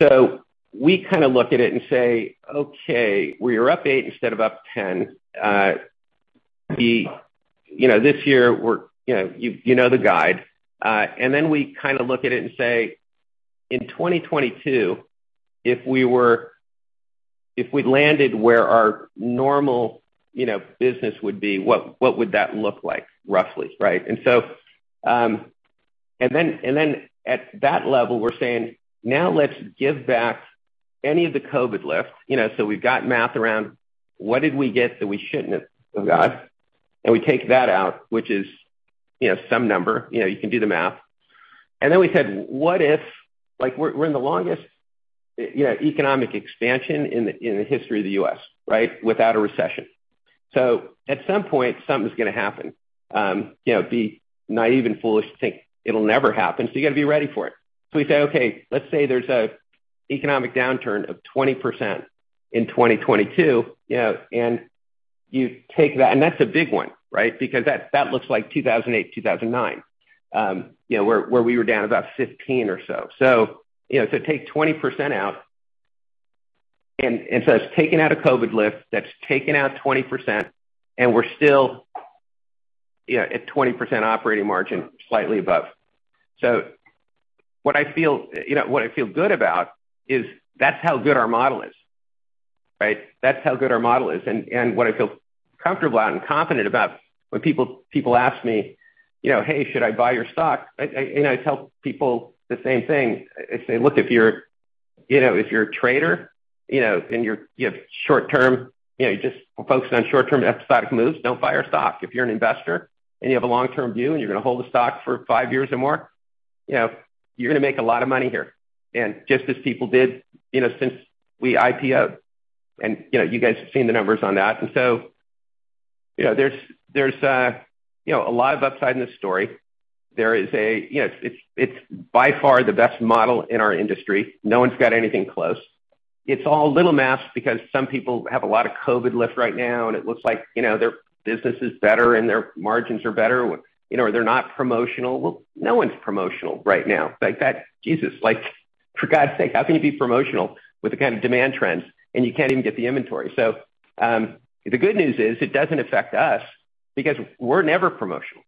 We look at it and say, "Okay, we were up 8% instead of up 10%." This year, you know the guide. We look at it and say, in 2022, if we landed where our normal business would be, what would that look like, roughly, right? At that level, we're saying, now let's give back any of the COVID lift. We've got math around what did we get that we shouldn't have got? We take that out, which is some number. You can do the math. We said, we're in the longest economic expansion in the history of the U.S., right? Without a recession. At some point, something's going to happen. It'd be naive and foolish to think it'll never happen, so you got to be ready for it. We say, okay, let's say there's an economic downturn of 20% in 2022, and you take that. That's a big one, right? Because that looks like 2008, 2009, where we were down about 15% or so. To take 20% out, that's taking out a COVID lift, that's taking out 20%, and we're still, yeah, a 20% operating margin, slightly above. What I feel good about is that's how good our model is, right? That's how good our model is. What I feel comfortable at and confident about when people ask me, "Hey, should I buy your stock?" I tell people the same thing. I say, "Look, if you're a trader, and you have short-term, just focused on short-term stock moves, don't buy our stock. If you're an investor and you have a long-term view and you're going to hold the stock for five years or more, you're going to make a lot of money here. Just as people did since we IPO'd, and you guys have seen the numbers on that. So, there's a lot of upside in the story. It's by far the best model in our industry. No one's got anything close. It's all a little messed because some people have a lot of COVID lift right now, and it looks like their business is better and their margins are better. They're not promotional. No one's promotional right now. Like Jesus, for God's sake, how can you be promotional with the kind of demand trends and you can't even get the inventory? The good news is it doesn't affect us because we're never promotional,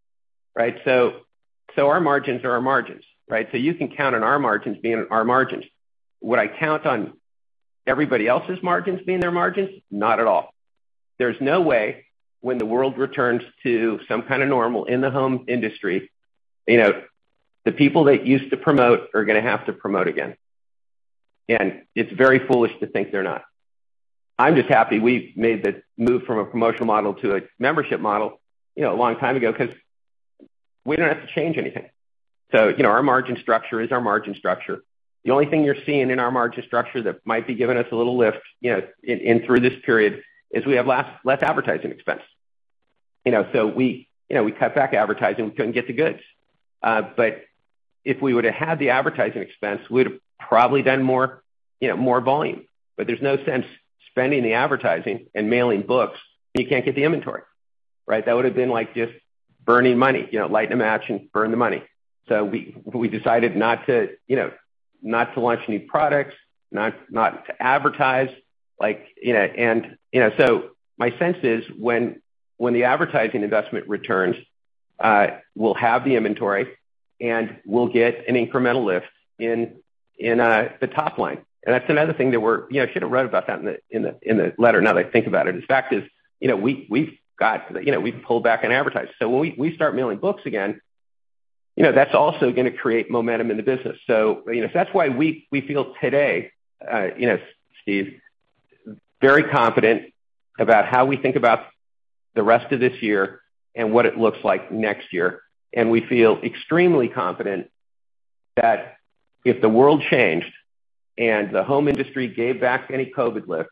right? Our margins are our margins, right? You can count on our margins being our margins. Would I count on everybody else's margins being their margins? Not at all. There's no way when the world returns to some kind of normal in the home industry, the people that used to promote are going to have to promote again. It's very foolish to think they're not. I'm just happy we made the move from a promotional model to a membership model a long time ago because we don't have to change anything. Our margin structure is our margin structure. The only thing you're seeing in our margin structure that might be giving us a little lift through this period is we have less advertising expense. We cut back advertising because we couldn't get the goods. If we would've had the advertising expense, we'd have probably done more volume. There's no sense spending the advertising and mailing books when you can't get the inventory, right? That would've been like just burning money, light a match and burn the money. We decided not to launch any products, not to advertise. My sense is when the advertising investment returns, we'll have the inventory and we'll get an incremental lift in the top line. That's another thing that I should've wrote about that in the letter. Now that I think about it, in fact is, we've pulled back on advertising. When we start mailing books again, that's also going to create momentum in the business. That's why we feel today, Steve, very confident about how we think about the rest of this year and what it looks like next year. We feel extremely confident that if the world changed and the home industry gave back any COVID lift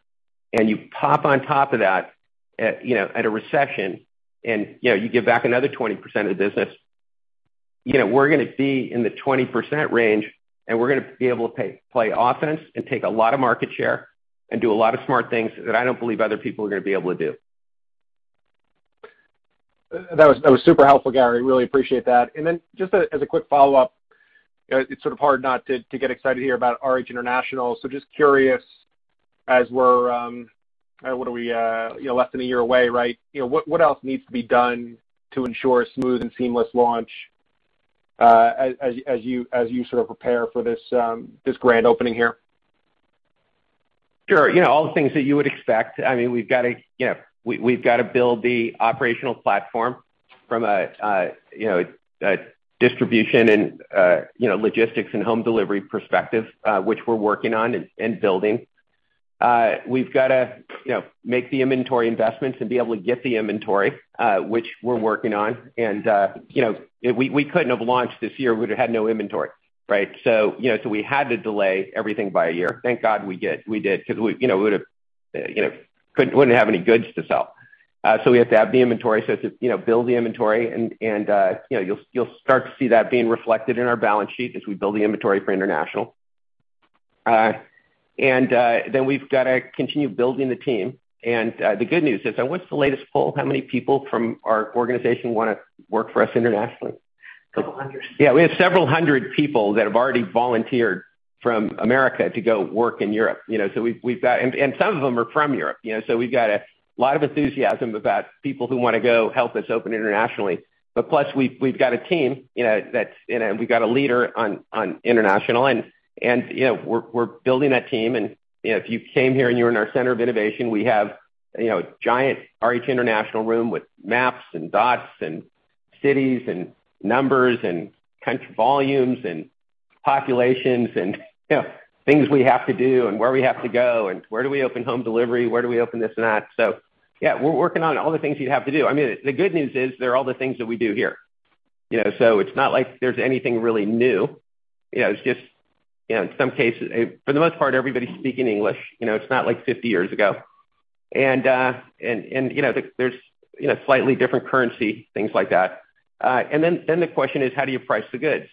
and you pop on top of that at a recession, and you give back another 20% of the business, we're going to be in the 20% range and we're going to be able to play offense and take a lot of market share and do a lot of smart things that I don't believe other people are going to be able to do. That was super helpful, Gary. Really appreciate that. Just as a quick follow-up, it's sort of hard not to get excited here about RH International. Just curious as we're, what are we, less than a year away, right? What else needs to be done to ensure a smooth and seamless launch as you sort of prepare for this grand opening here? Sure. All the things that you would expect. We've got to build the operational platform from a distribution and logistics and home delivery perspective, which we're working on and building. We've got to make the inventory investments and be able to get the inventory, which we're working on. We couldn't have launched this year, we'd have had no inventory, right? We had to delay everything by a year. Thank God we did. Because we wouldn't have any goods to sell. We have to have the inventory. Build the inventory and you'll start to see that being reflected in our balance sheet as we build the inventory for international. Then we've got to continue building the team. The good news is, what's the latest poll? How many people from our organization want to work for us internationally? Several hundred. Yeah. We have several hundred people that have already volunteered from America to go work in Europe. Some of them are from Europe. We've got a lot of enthusiasm about people who want to go help us open internationally. Plus, we've got a team, we've got a leader on international and we're building that team. If you came here and you were in our Center of Innovation, we have a giant RH International room with maps and dots and cities and numbers and country volumes and populations and things we have to do and where we have to go and where do we open home delivery, where do we open this and that. Yeah, we're working on all the things you have to do. The good news is they're all the things that we do here. It's not like there's anything really new. In some cases, for the most part, everybody's speaking English. It's not like 50 years ago. There's slightly different currency, things like that. The question is, how do you price the goods?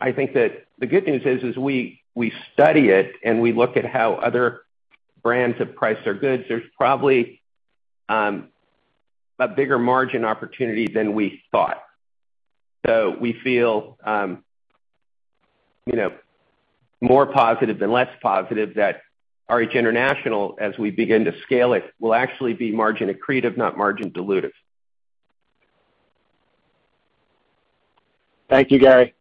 I think that the good news is, as we study it and we look at how other brands have priced their goods, there's probably a bigger margin opportunity than we thought. We feel more positive than less positive that RH International, as we begin to scale it, will actually be margin accretive, not margin dilutive. Thank you, Gary.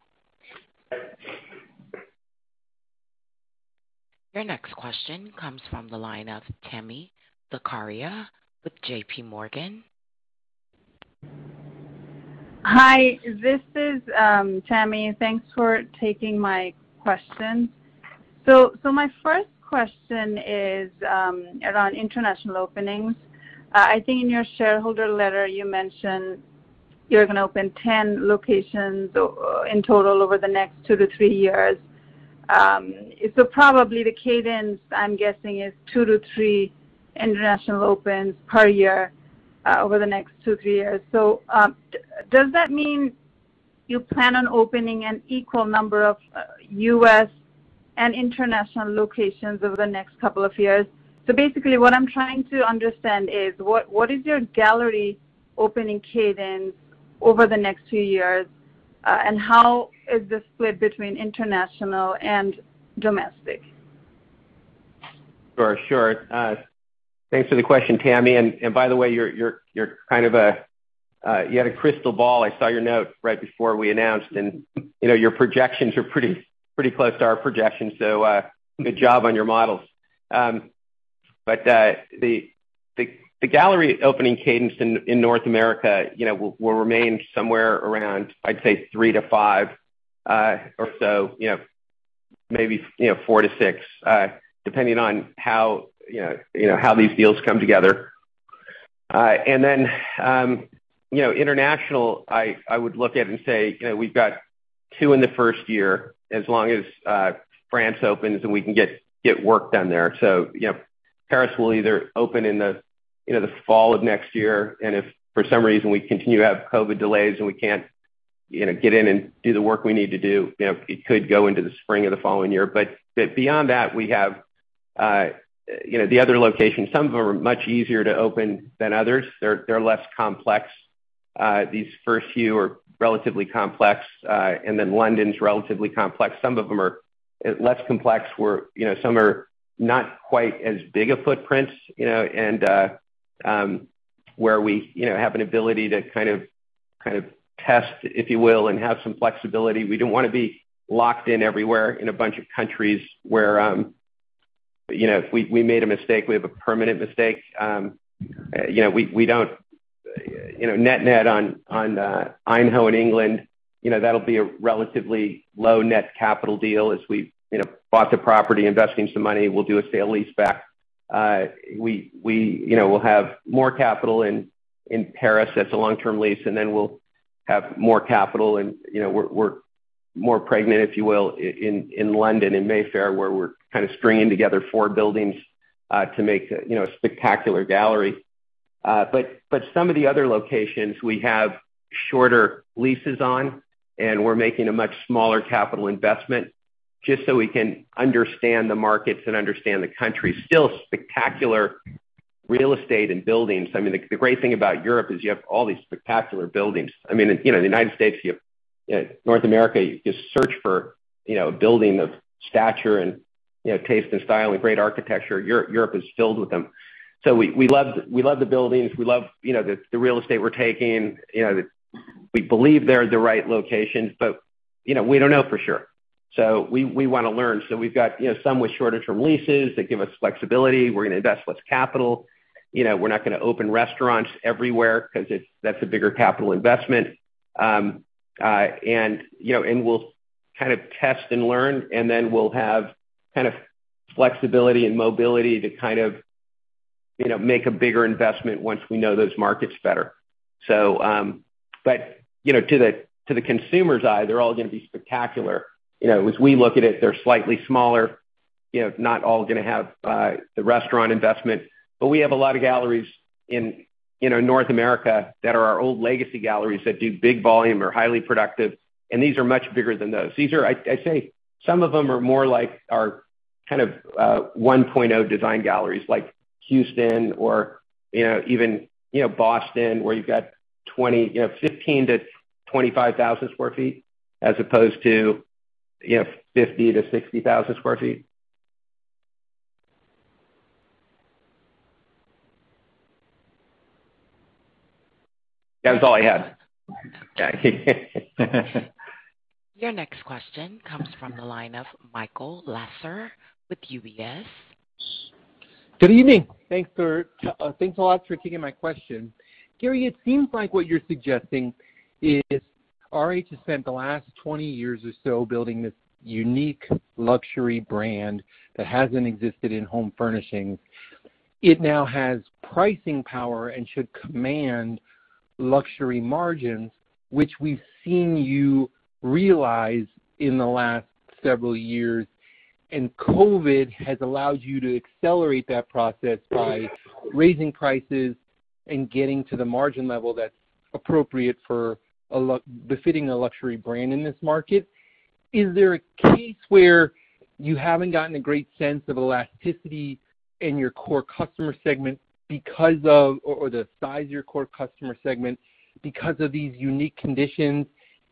Your next question comes from the line of Tami Zakaria with JPMorgan. Hi, this is Tami. Thanks for taking my questions. My first question is around international openings. I think in your shareholder letter you mentioned you're going to open 10 locations in total over the next 2-3 years. Probably the cadence, I'm guessing, is 2-3 international opens per year over the next two, three years. Does that mean you plan on opening an equal number of U.S. and international locations over the next couple of years? Basically what I'm trying to understand is, what is your gallery opening cadence over the next two years and how is the split between international and domestic? Sure. Thanks for the question, Tami, by the way, you had a crystal ball. I saw your note right before we announced, your projections are pretty close to our projections, good job on your models. The gallery opening cadence in North America will remain somewhere around, I'd say 3-5 or so, maybe 4-6, depending on how these deals come together. Then international, I would look at and say we've got two in the first year, as long as France opens and we can get work done there. Paris will either open in the fall of next year, if for some reason we continue to have COVID delays and we can't get in and do the work we need to do, it could go into the spring of the following year. Beyond that, we have the other locations. Some of them are much easier to open than others. They're less complex. These first few are relatively complex and then London's relatively complex. Some of them are less complex, where some are not quite as big a footprint, and where we have an ability to kind of test, if you will, and have some flexibility. We don't want to be locked in everywhere in a bunch of countries where if we made a mistake, we have a permanent mistake. Net on RH England, that'll be a relatively low net capital deal as we've bought the property, investing some money, we'll do a sale leaseback. We'll have more capital in Paris. That's a long-term lease, and then we'll have more capital and we're more pregnant, if you will, in London, in Mayfair, where we're kind of stringing together four buildings to make a spectacular gallery. Some of the other locations we have shorter leases on, and we're making a much smaller capital investment just so we can understand the markets and understand the country. Still spectacular real estate and buildings. The great thing about Europe is you have all these spectacular buildings. In the U.S., North America, just search for a building of stature and taste and style and great architecture. Europe is filled with them. We love the buildings, we love the real estate we're taking, and we believe they're the right locations, but we don't know for sure. We want to learn. We've got some with shorter term leases that give us flexibility. We're going to invest less capital. We're not going to open restaurants everywhere because that's a bigger capital investment. We'll kind of test and learn, then we'll have flexibility and mobility to make a bigger investment once we know those markets better. To the consumer's eye, they're all going to be spectacular. As we look at it, they're slightly smaller, not all going to have the restaurant investment. We have a lot of galleries in North America that are our old legacy galleries that do big volume, are highly productive, and these are much bigger than those. These are, I'd say some of them are more like our kind of 1.0 design galleries like Houston or even Boston, where you've got 15,000 sq ft-25,000 sq ft as opposed to 50,000 sq ft-60,000 sq ft. That was all I had. Your next question comes from the line of Michael Lasser with UBS. Good evening. Thanks a lot for taking my question. Gary, it seems like what you're suggesting is RH has spent the last 20 years or so building this unique luxury brand that hasn't existed in home furnishings. It now has pricing power and should command luxury margins, which we've seen you realize in the last several years. COVID has allowed you to accelerate that process by raising prices and getting to the margin level that's appropriate for befitting a luxury brand in this market. Is there a case where you haven't gotten a great sense of elasticity in your core customer segment or the size of your core customer segment because of these unique conditions,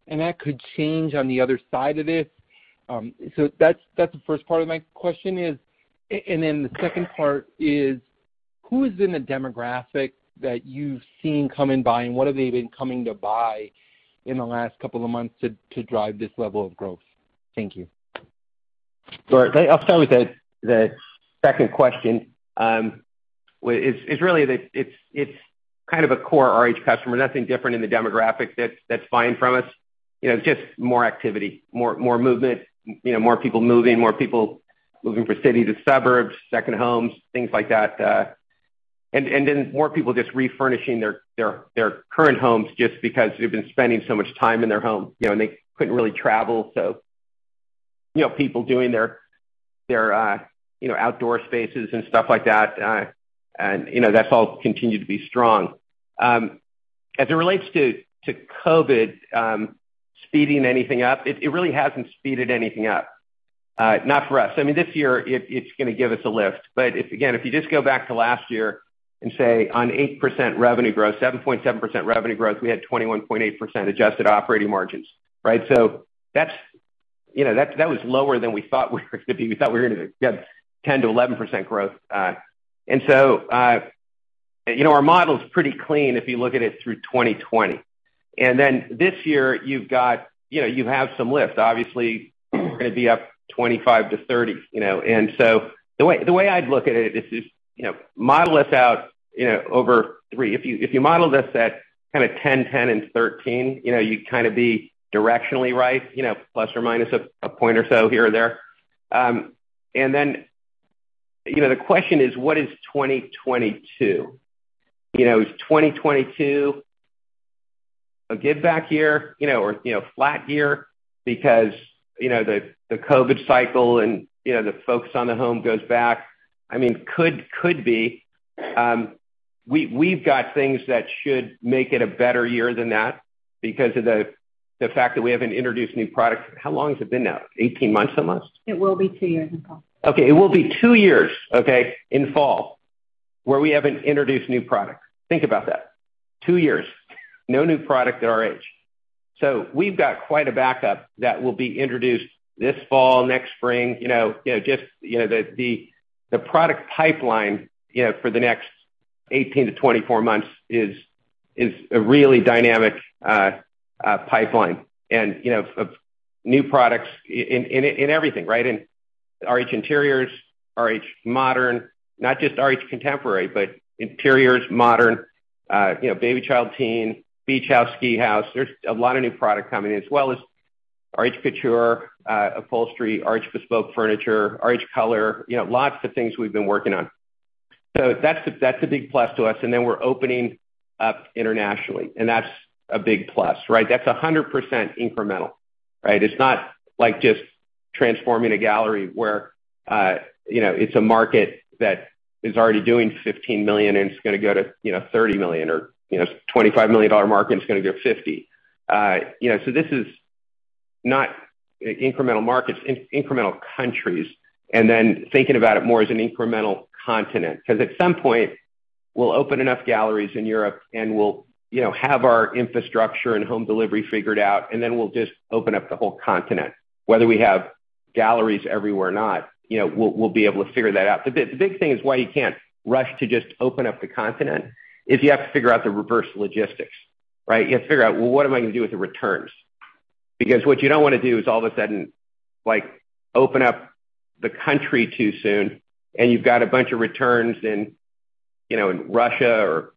and that could change on the other side of this. That's the first part of my question. The second part is, who is in the demographic that you've seen come in buying? What have they been coming to buy in the last couple of months to drive this level of growth? Thank you. Sure. I'll start with the second question. It's kind of a core RH customer, nothing different in the demographic that's buying from us. It's just more activity, more movement, more people moving, more people looking for city to suburbs, second homes, things like that. Then more people just refurnishing their current homes just because they've been spending so much time in their home, and they couldn't really travel. People doing their outdoor spaces and stuff like that, and that's all continued to be strong. As it relates to COVID speeding anything up, it really hasn't speeded anything up. Not for us. This year, it's going to give us a lift. Again, if you just go back to last year and say on 8% revenue growth, 7.7% revenue growth, we had 21.8% adjusted operating margins, right? That was lower than we thought we were going to be. We thought we were going to have 10%-11% growth. Our model's pretty clean if you look at it through 2020. This year you have some lift. Obviously, we're going to be up 25%-30%. The way I'd look at it is just model this out over 3%. If you model this at kind of 10%, 10%, and 13%, you'd kind of be directionally right, plus or minus a point or so here or there. The question is, what is 2022? Is 2022 a give back year or flat year because the COVID cycle and the folks on the home goes back? Could be. We've got things that should make it a better year than that because of the fact that we haven't introduced new products for how long has it been now? 18 months, almost? It will be two years in fall. Okay. It will be two years in fall, where we haven't introduced new products. Think about that. Two years, no new product at RH. We've got quite a backup that will be introduced this fall, next spring. Just the product pipeline for the next 18-24 months is a really dynamic pipeline. New products in everything, right? In RH Interiors, RH Modern, not just RH Contemporary, but Interiors, RH Modern, RH Baby & Child, RH TEEN, RH Beach House, RH Ski House. There's a lot of new product coming, as well as RH Couture Upholstery, RH Bespoke Furniture, RH Color, lots of things we've been working on. That's a big plus to us, then we're opening up internationally, that's a big plus, right? That's 100% incremental, right? It's not like just transforming a gallery where it's a market that is already doing $15 million and it's going to go to $30 million, or a $25 million market is going to go $50 million. This is not incremental markets, it's incremental countries. Thinking about it more as an incremental continent. At some point, we'll open enough galleries in Europe and we'll have our infrastructure and home delivery figured out, and then we'll just open up the whole continent. Whether we have galleries everywhere or not, we'll be able to figure that out. The big thing is why you can't rush to just open up the continent is you have to figure out the reverse logistics, right? You have to figure out, well, what am I going to do with the returns? What you don't want to do is all of a sudden open up the country too soon, and you've got a bunch of returns in Russia or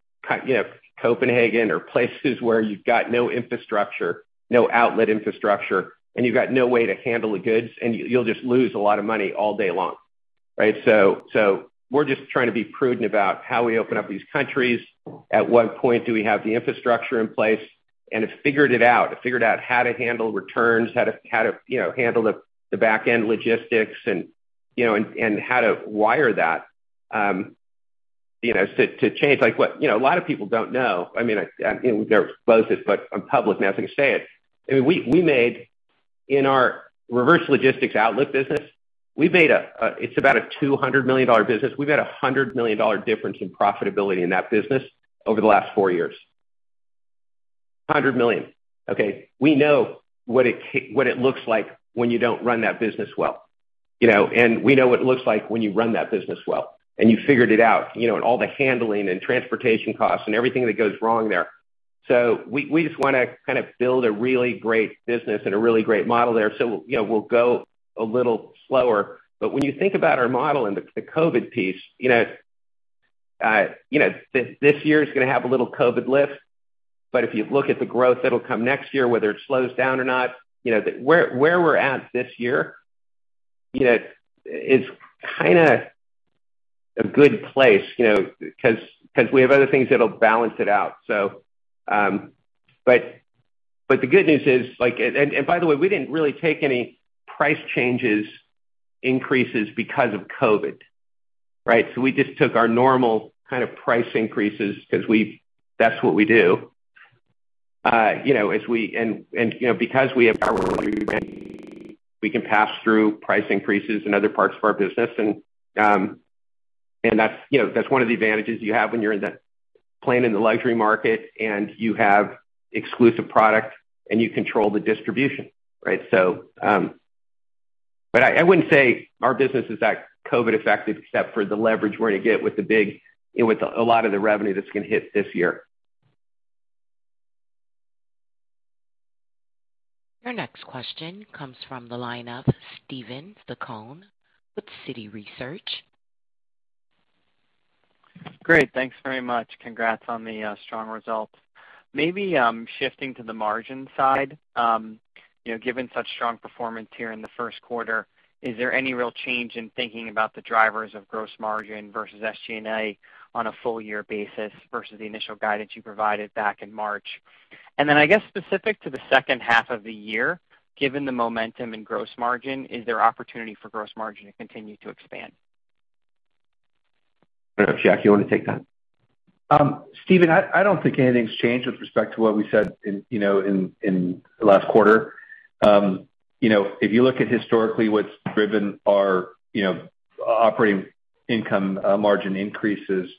Copenhagen or places where you've got no infrastructure, no outlet infrastructure, and you've got no way to handle the goods, and you'll just lose a lot of money all day long, right? We're just trying to be prudent about how we open up these countries. At what point do we have the infrastructure in place and have figured it out, figured out how to handle returns, how to handle the back-end logistics, and how to wire that to change. A lot of people don't know. They're private, but I'm public, and I can say it. We made, in our reverse logistics outlet business, it's about a $200 million business. We've got $100 million difference in profitability in that business over the last four years. $100 million, okay? We know what it looks like when you don't run that business well. We know what it looks like when you run that business well, and you figured it out, and all the handling and transportation costs and everything that goes wrong there. We just want to kind of build a really great business and a really great model there. We'll go a little slower. When you think about our model and the COVID piece, this year's going to have a little COVID lift. If you look at the growth that'll come next year, whether it slows down or not, where we're at this year is kind of a good place, because we have other things that'll balance it out. The good news is like by the way, we didn't really take any price changes increases because of COVID, right? We just took our normal kind of price increases because that's what we do. Because we have our own brand, we can pass through price increases in other parts of our business, and that's one of the advantages you have when you're playing in the luxury market, and you have exclusive product, and you control the distribution. Right? But I wouldn't say our business is COVID affected except for the leverage we're going to get with a lot of the revenue that's going to hit this year. Our next question comes from the line of Steven Zaccone with Citi Research. Great. Thanks very much. Congrats on the strong results. Maybe shifting to the margin side. Given such strong performance here in the 1st quarter, is there any real change in thinking about the drivers of gross margin versus SG&A on a full year basis versus the initial guidance you provided back in March? I guess specific to the second half of the year, given the momentum in gross margin, is there opportunity for gross margin to continue to expand? I don't know if, Jack, you want to take that? Steven, I don't think anything's changed with respect to what we said in the last quarter. If you look at historically what's driven our operating income margin increases,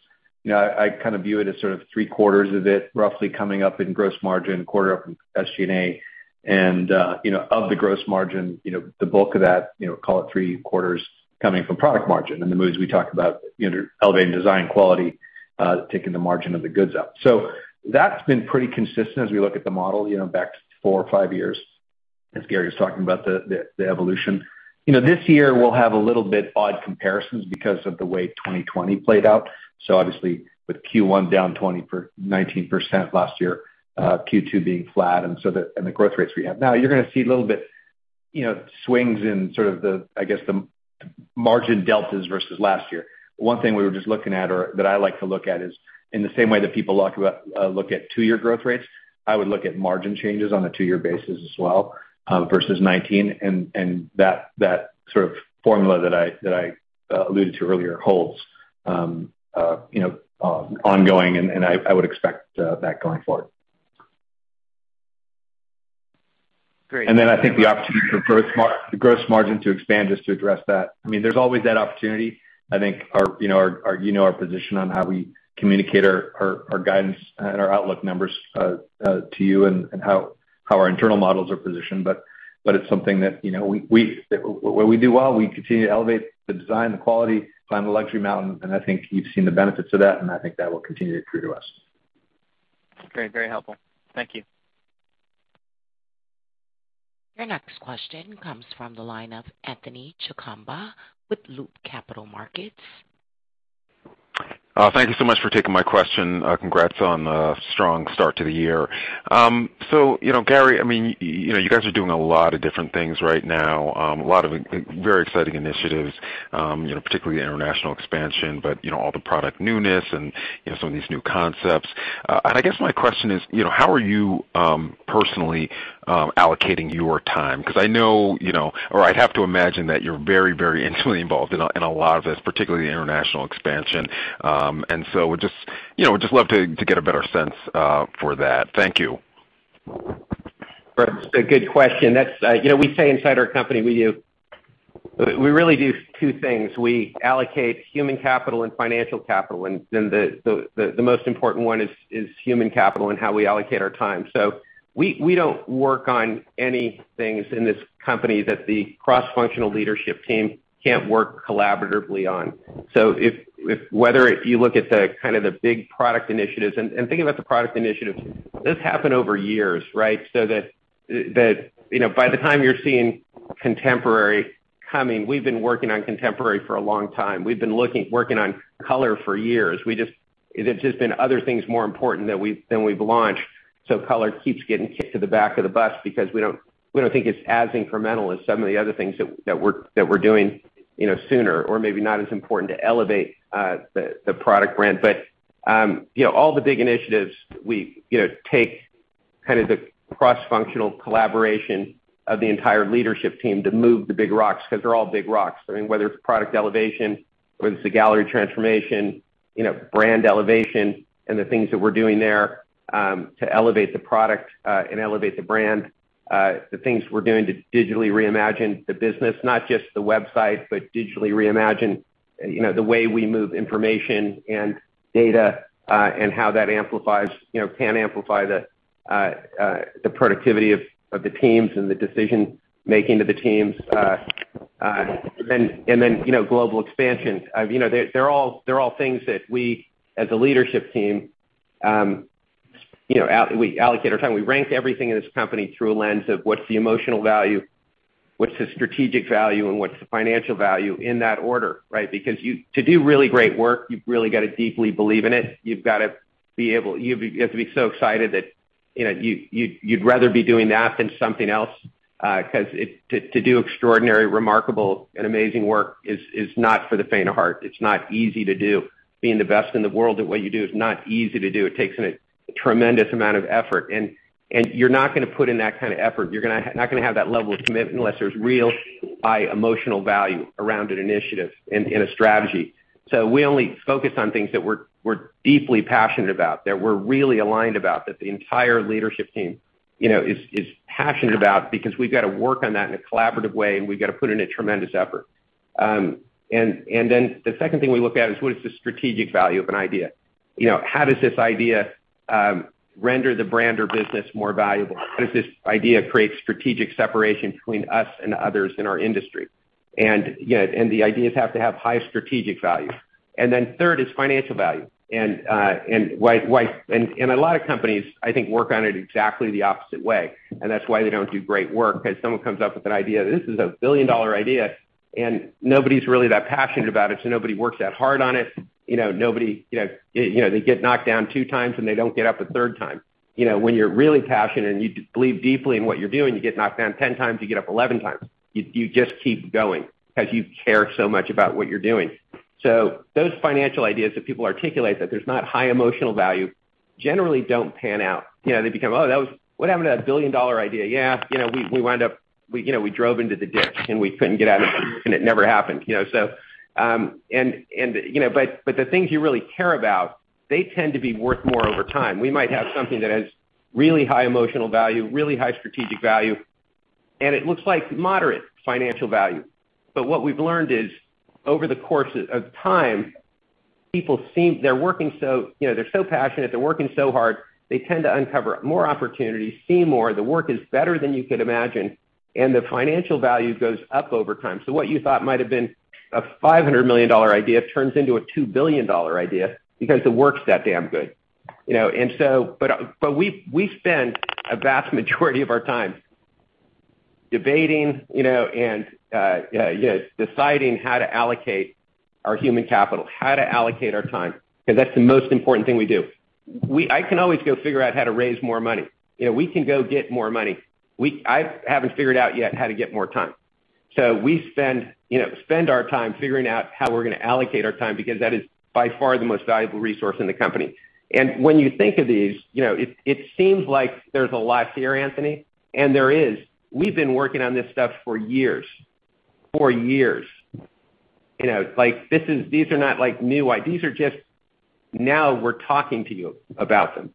I view it as three quarters of it roughly coming up in gross margin, one quarter up in SG&A. Of the gross margin, the bulk of that, call it three quarters coming from product margin. The moves we talked about, elevating design quality, taking the margin of the goods up. That's been pretty consistent as we look at the model back four or five years, as Gary was talking about the evolution. This year will have a little bit odd comparisons because of the way 2020 played out. Obviously with Q1 down 19% last year, Q2 being flat, and the growth rates we have now. You're going to see a little bit swings in sort of the, I guess, the margin deltas versus last year. One thing we were just looking at, or that I like to look at is, in the same way that people look at two-year growth rates, I would look at margin changes on a two-year basis as well versus 2019. And that sort of formula that I alluded to earlier holds ongoing, and I would expect that going forward. Great. Then I think the opportunity for gross margin to expand is to address that. I mean, there's always that opportunity. I think our position on how we communicate our guidance and our outlook numbers to you and how our internal models are positioned, but it's something that we do well. We continue to elevate the design, the quality, the luxury modern, and I think you've seen the benefits of that, and I think that will continue to accrue to us. Great. Very helpful. Thank you. Our next question comes from the line of Anthony Chukumba with Loop Capital Markets. Thank you so much for taking my question. Congrats on a strong start to the year. Gary, you guys are doing a lot of different things right now. A lot of very exciting initiatives, particularly international expansion, but all the product newness and some of these new concepts. I guess my question is, how are you personally allocating your time? Because I know, or I have to imagine that you're very, very intimately involved in a lot of this, particularly international expansion. Just would love to get a better sense for that. Thank you. That's a good question. We say inside our company, we really do two things. We allocate human capital and financial capital, and the most important one is human capital and how we allocate our time. We don't work on any things in this company that the cross-functional leadership team can't work collaboratively on. Whether you look at the big product initiatives and think about the product initiatives, this happened over years, right? That by the time you're seeing RH Contemporary coming, we've been working on RH Contemporary for a long time. We've been working on RH Color for years. It's just been other things more important that we've launched, RH Color keeps getting to the back of the bus because we don't think it's as incremental as some of the other things that we're doing sooner, or maybe not as important to elevate the product brand. All the big initiatives, we take the cross-functional collaboration of the entire leadership team to move the big rocks because they're all big rocks. Whether it's product elevation, whether it's the Gallery transformation, brand elevation, and the things that we're doing there to elevate the product and elevate the brand. The things we're doing to digitally reimagine the business, not just the website, but digitally reimagine the way we move information and data and how that can amplify the productivity of the teams and the decision-making of the teams. Then global expansion. They're all things that we, as a leadership team, allocate our time. We rank everything in this company through a lens of what's the emotional value, what's the strategic value, and what's the financial value in that order, right? To do really great work, you've really got to deeply believe in it. You've got to be so excited that you'd rather be doing that than something else. To do extraordinary, remarkable, and amazing work is not for the faint of heart. It's not easy to do. Being the best in the world at what you do is not easy to do. It takes a tremendous amount of effort, and you're not going to put in that kind of effort. You're not going to have that level of commitment unless there's real high emotional value around an initiative and a strategy. We only focus on things that we're deeply passionate about, that we're really aligned about, that the entire leadership team is passionate about, because we've got to work on that in a collaborative way, and we've got to put in a tremendous effort. The second thing we look at is: what is the strategic value of an idea? How does this idea render the brand or business more valuable? How does this idea create strategic separation between us and others in our industry? The ideas have to have high strategic value. Then third is financial value. A lot of companies, I think, work on it exactly the opposite way, and that's why they don't do great work, because someone comes up with an idea, "This is a billion-dollar idea," and nobody's really that passionate about it, so nobody works that hard on it. They get knocked down two times, and they don't get up a third time. When you're really passionate and you believe deeply in what you're doing, you get knocked down 10 times, you get up 11 times. You just keep going because you care so much about what you're doing. Those financial ideas that people articulate that there's not high emotional value generally don't pan out. They become, "Oh, what happened to that billion-dollar idea?" "Yeah, we drove into the ditch, and we couldn't get out of it, and it never happened." The things you really care about, they tend to be worth more over time. We might have something that has really high emotional value, really high strategic value, and it looks like moderate financial value. What we've learned is, over the course of time, they're so passionate, they're working so hard, they tend to uncover more opportunities, see more, the work is better than you could imagine, and the financial value goes up over time. What you thought might've been a $500 million idea turns into a $2 billion idea because the work's that damn good. We spend a vast majority of our time debating and deciding how to allocate our human capital, how to allocate our time, because that's the most important thing we do. I can always go figure out how to raise more money. We can go get more money. I haven't figured out yet how to get more time. We spend our time figuring out how we're going to allocate our time because that is by far the most valuable resource in the company. When you think of these, it seems like there's a lot here, Anthony, and there is. We've been working on this stuff for years. For years. These are not new ideas. These are just, now we're talking to you about them.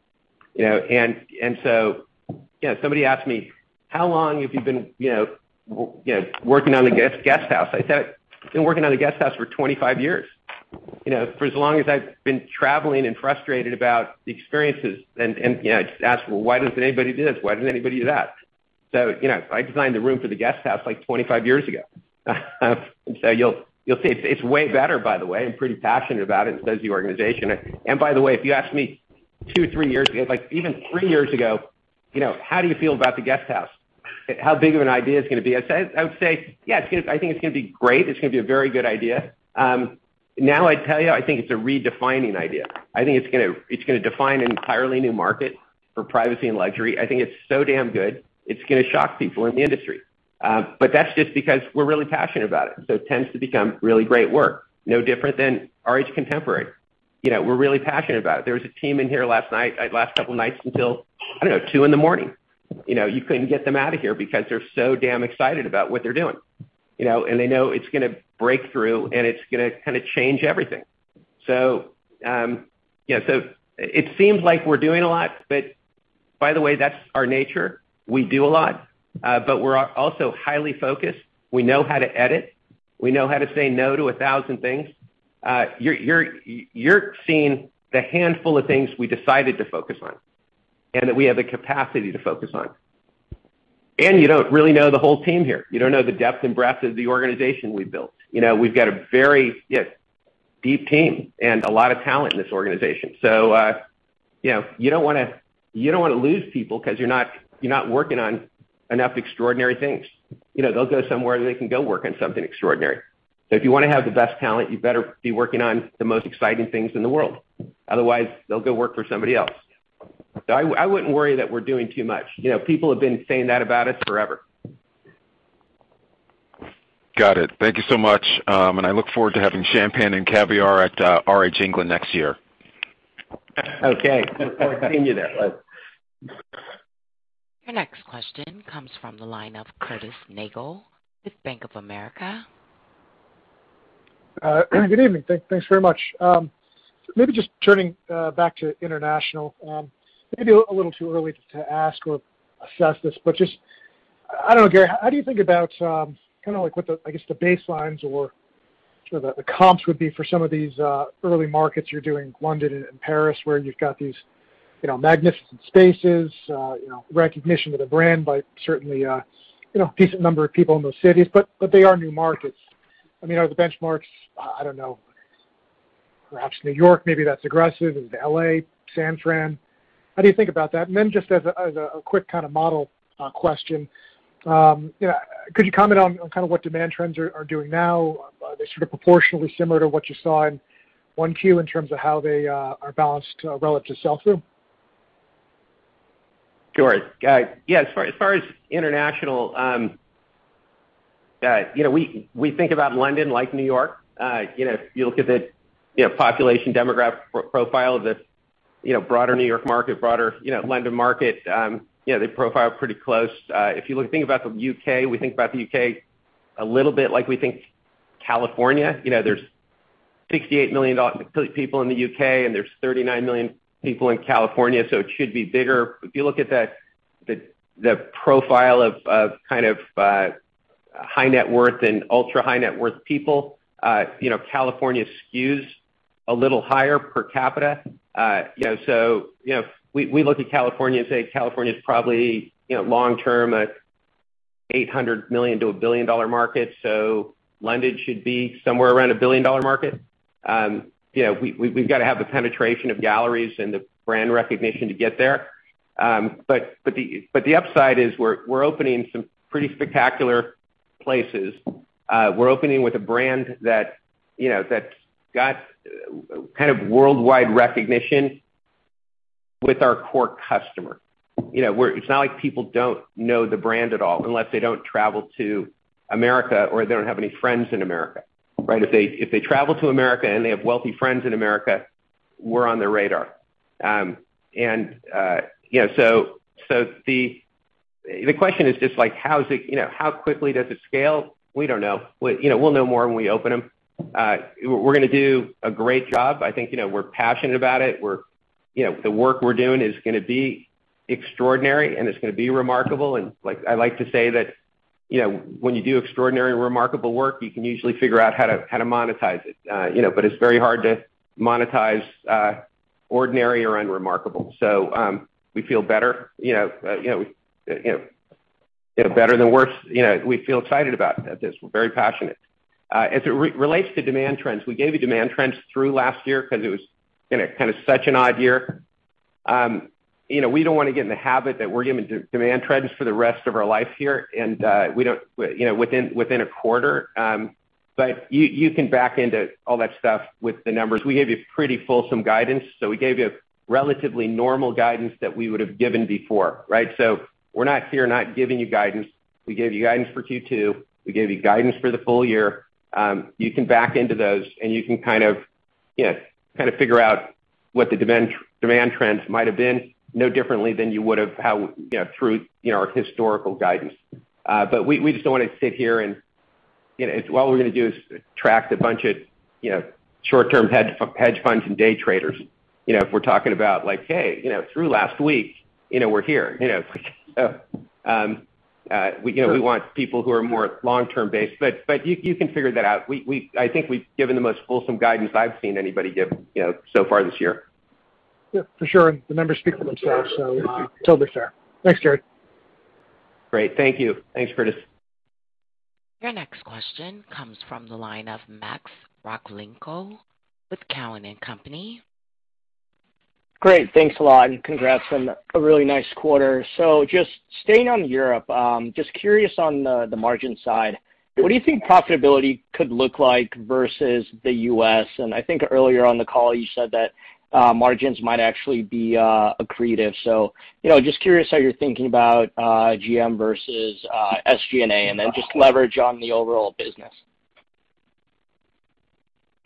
Somebody asked me, "How long have you been working on the Guesthouse?" I said, "Been working on the Guesthouse for 25 years. For as long as I've been traveling and frustrated about the experiences." Just asked, "Well, why doesn't anybody do this? Why doesn't anybody do that?" I designed the room for the Guesthouse 25 years ago. You'll see, it's way better, by the way. I'm pretty passionate about it as the organization. By the way, if you asked me two, three years ago, even three years ago, "How do you feel about the Guesthouse? How big of an idea is it going to be?" I would say, "Yeah, I think it's going to be great. It's going to be a very good idea." Now I tell you, I think it's a redefining idea. I think it's going to define an entirely new market for privacy and luxury. I think it's so damn good, it's going to shock people in the industry. That's just because we're really passionate about it, so it tends to become really great work. No different than RH Contemporary. We're really passionate about it. There was a team in here last night, last couple of nights until 2:00 A.M in the morning. You couldn't get them out of here because they're so damn excited about what they're doing. They know it's going to break through, and it's going to change everything. It seems like we're doing a lot, but by the way, that's our nature. We do a lot. We're also highly focused. We know how to edit. We know how to say no to 1,000 things. You're seeing the handful of things we decided to focus on, and that we have the capacity to focus on. You don't really know the whole team here. You don't know the depth and breadth of the organization we've built. We've got a very deep team and a lot of talent in this organization. You don't want to lose people because you're not working on enough extraordinary things. They'll go somewhere they can go work on something extraordinary. If you want to have the best talent, you better be working on the most exciting things in the world. Otherwise, they'll go work for somebody else. I wouldn't worry that we're doing too much. People have been saying that about us forever. Got it. Thank you so much. I look forward to having champagne and caviar at RH England next year. Okay. I hear that. The next question comes from the line of Curtis Nagle with Bank of America. Good evening. Thanks very much. Just turning back to international. A little too early to ask or assess this, just how do you think about what the baselines or the comps would be for some of these early markets you're doing in London and Paris, where you've got these magnificent spaces, recognition of the brand by certainly a decent number of people in those cities, they are new markets. Are the benchmarks, I don't know, perhaps New York, maybe that's aggressive. Is it L.A., San Fran? How do you think about that? Just as a quick model question. Could you comment on kind of what demand trends are doing now? Are they sort of proportionally similar to what you saw in 1Q in terms of how they are balanced relative to sell-through? Sure. As far as international, we think about London like New York. If you look at the population demographic profile, broader New York market, broader London market, they profile pretty close. If you think about the U.K., we think about the U.K. a little bit like we think California. There's 68 million people in the U.K., there's 39 million people in California, so it should be bigger. If you look at the profile of kind of high net worth and ultra high net worth people, California skews a little higher per capita. We look at California and say California's probably, long-term, a $800 million to a $1 billion market. London should be somewhere around a $1 billion market. We've got to have the penetration of galleries and the brand recognition to get there. The upside is we're opening some pretty spectacular places. We're opening with a brand that's got kind of worldwide recognition with our core customer. It's not like people don't know the brand at all unless they don't travel to America or they don't have any friends in America, right? The question is just how quickly does it scale? We don't know. We'll know more when we open them. We're going to do a great job. I think we're passionate about it. The work we're doing is going to be extraordinary, and it's going to be remarkable. I like to say that when you do extraordinary and remarkable work, you can usually figure out how to monetize it. It's very hard to monetize ordinary or unremarkable. We feel better than worse. We feel excited about this. We're very passionate. As it relates to demand trends, we gave you demand trends through last year because it was kind of such an odd year. We don't want to get in the habit that we're going to do demand trends for the rest of our life here within a quarter. You can back into all that stuff with the numbers. We gave you pretty fulsome guidance. We gave you relatively normal guidance that we would have given before, right? We're not here not giving you guidance. We gave you guidance for Q2. We gave you guidance for the full year. You can back into those, and you can kind of figure out what the demand trends might've been no differently than you would have through our historical guidance. We just don't want to sit here and all we're going to do is attract a bunch of short-term hedge funds and day traders if we're talking about like, "Hey, through last week, we're here." We want people who are more long-term based. You can figure that out. I think we've given the most fulsome guidance I've seen anybody give so far this year. Yeah, for sure. The numbers speak for themselves. Totally fair. Thanks, Gary Friedman. Great. Thank you. Thanks for this. Your next question comes from the line of Max Rakhlenko with Cowen and Company. Great. Thanks a lot, congrats on a really nice quarter. Just staying on Europe, just curious on the margin side, what do you think profitability could look like versus the U.S.? I think earlier on the call, you said that margins might actually be accretive. Just curious how you're thinking about GM versus SG&A, and then just leverage on the overall business.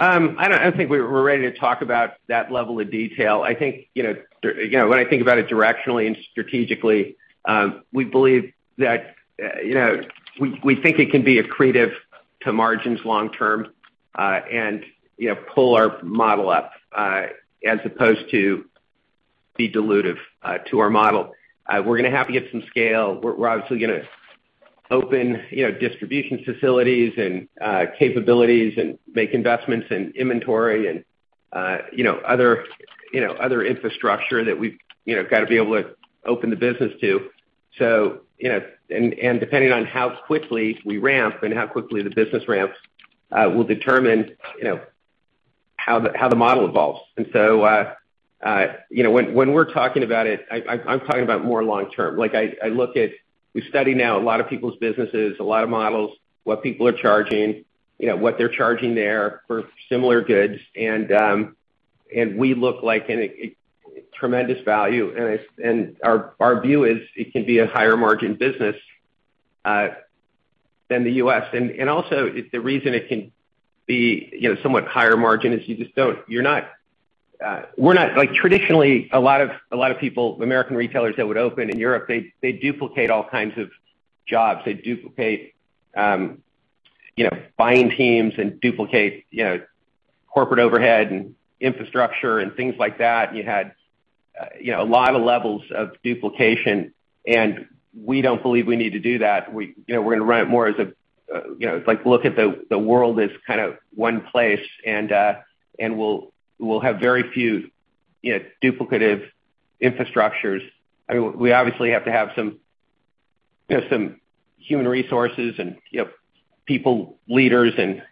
I don't think we're ready to talk about that level of detail. When I think about it directionally and strategically, we believe that it can be accretive to margins long term and pull our model up as opposed to be dilutive to our model. We're going to have to get some scale. We're obviously going to open distribution facilities and capabilities and make investments in inventory and other infrastructure that we've got to be able to open the business to. Depending on how quickly we ramp and how quickly the business ramps will determine how the model evolves. When we're talking about it, I'm talking about more long term. We're studying now a lot of people's businesses, a lot of models, what people are charging, what they're charging there for similar goods, and we look like a tremendous value. Our view is it can be a higher margin business than the U.S. Also, the reason it can be somewhat higher margin is you just don't. Traditionally, a lot of people, American retailers that would open in Europe, they duplicate all kinds of jobs. They duplicate buying teams and duplicate corporate overhead and infrastructure and things like that, and you had a lot of levels of duplication, and we don't believe we need to do that. We're going to run it more as a look at the world as kind of one place, and we'll have very few duplicative infrastructures. We obviously have to have some human resources and people leaders and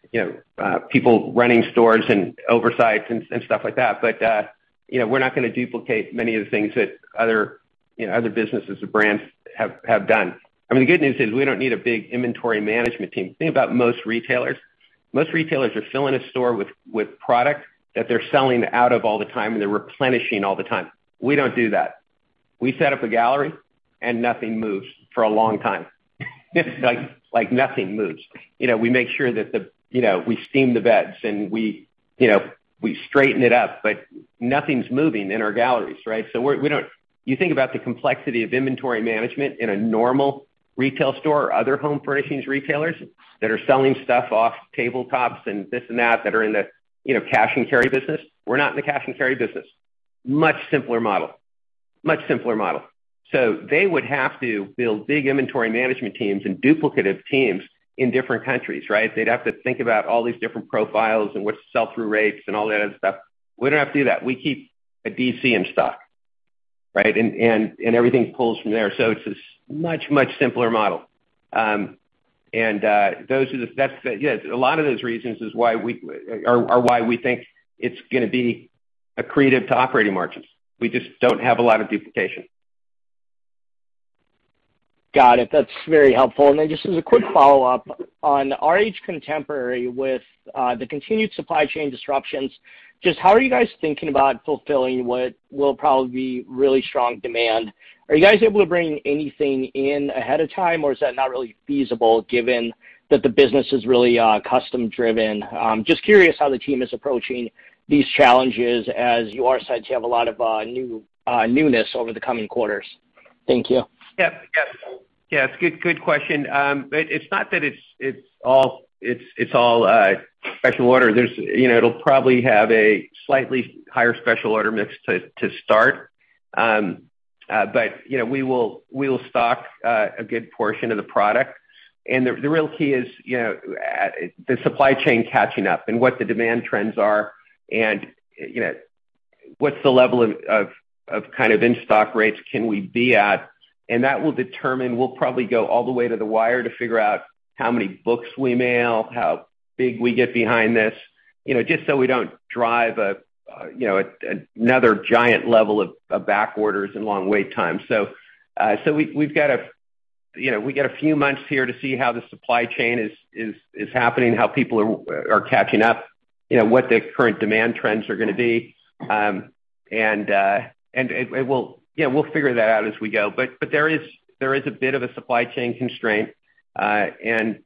people running stores and oversights and stuff like that. We're not going to duplicate many of the things that other businesses or brands have done. The good news is we don't need a big inventory management team. Think about most retailers. Most retailers are filling a store with product that they're selling out of all the time, and they're replenishing all the time. We don't do that. We set up a gallery, and nothing moves for a long time. Nothing moves. We make sure that we steam the beds and we straighten it up, but nothing's moving in our galleries, right? You think about the complexity of inventory management in a normal retail store or other home furnishings retailers that are selling stuff off tabletops and this and that are in the cash-and-carry business. We're not in the cash-and-carry business. Much simpler model. Much simpler model. They would have to build big inventory management teams and duplicative teams in different countries, right? They'd have to think about all these different profiles and what sell-through rates and all the other stuff. We don't have to do that. We keep a DC in stock, right? Everything pulls from there. It's a much simpler model. That's again, a lot of those reasons are why we think it's going to be accretive to operating margins. We just don't have a lot of duplication. Got it. That's very helpful. Just as a quick follow-up on RH Contemporary with the continued supply chain disruptions, just how are you guys thinking about fulfilling what will probably be really strong demand? Are you guys able to bring anything in ahead of time, or is that not really feasible given that the business is really custom-driven? Just curious how the team is approaching these challenges as you are set to have a lot of newness over the coming quarters. Thank you. Yep. Yeah, it's a good question. It's not that it's all special order. It'll probably have a slightly higher special order mix to start. We will stock a good portion of the product. The real key is the supply chain catching up and what the demand trends are and what the level of in-stock rates can we be at. That will determine, we'll probably go all the way to the wire to figure out how many books we mail, how big we get behind this, just so we don't drive another giant level of back orders and long wait times. We've got a few months here to see how the supply chain is happening, how people are catching up, what the current demand trends are going to be. We'll figure that out as we go. There is a bit of a supply chain constraint, and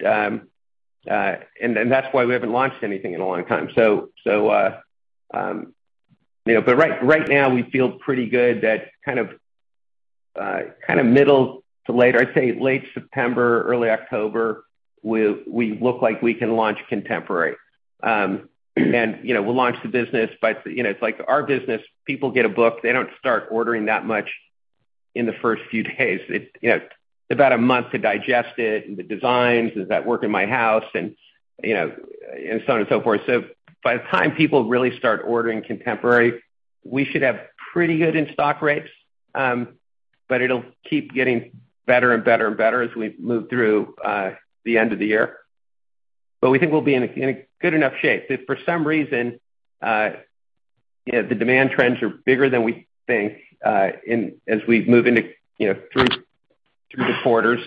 that's why we haven't launched anything in a long time. Right now, we feel pretty good that kind of middle to later, I'd say late September, early October, we look like we can launch RH Contemporary. We'll launch the business. It's like our business, people get a book, they don't start ordering that much in the first few days. It's about a month to digest it, and the designs. Does that work in my house? So on and so forth. By the time people really start ordering RH Contemporary, we should have pretty good in-stock rates, but it'll keep getting better and better and better as we move through the end of the year. We think we'll be in a good enough shape. If for some reason the demand trends are bigger than we think as we move into through the quarters,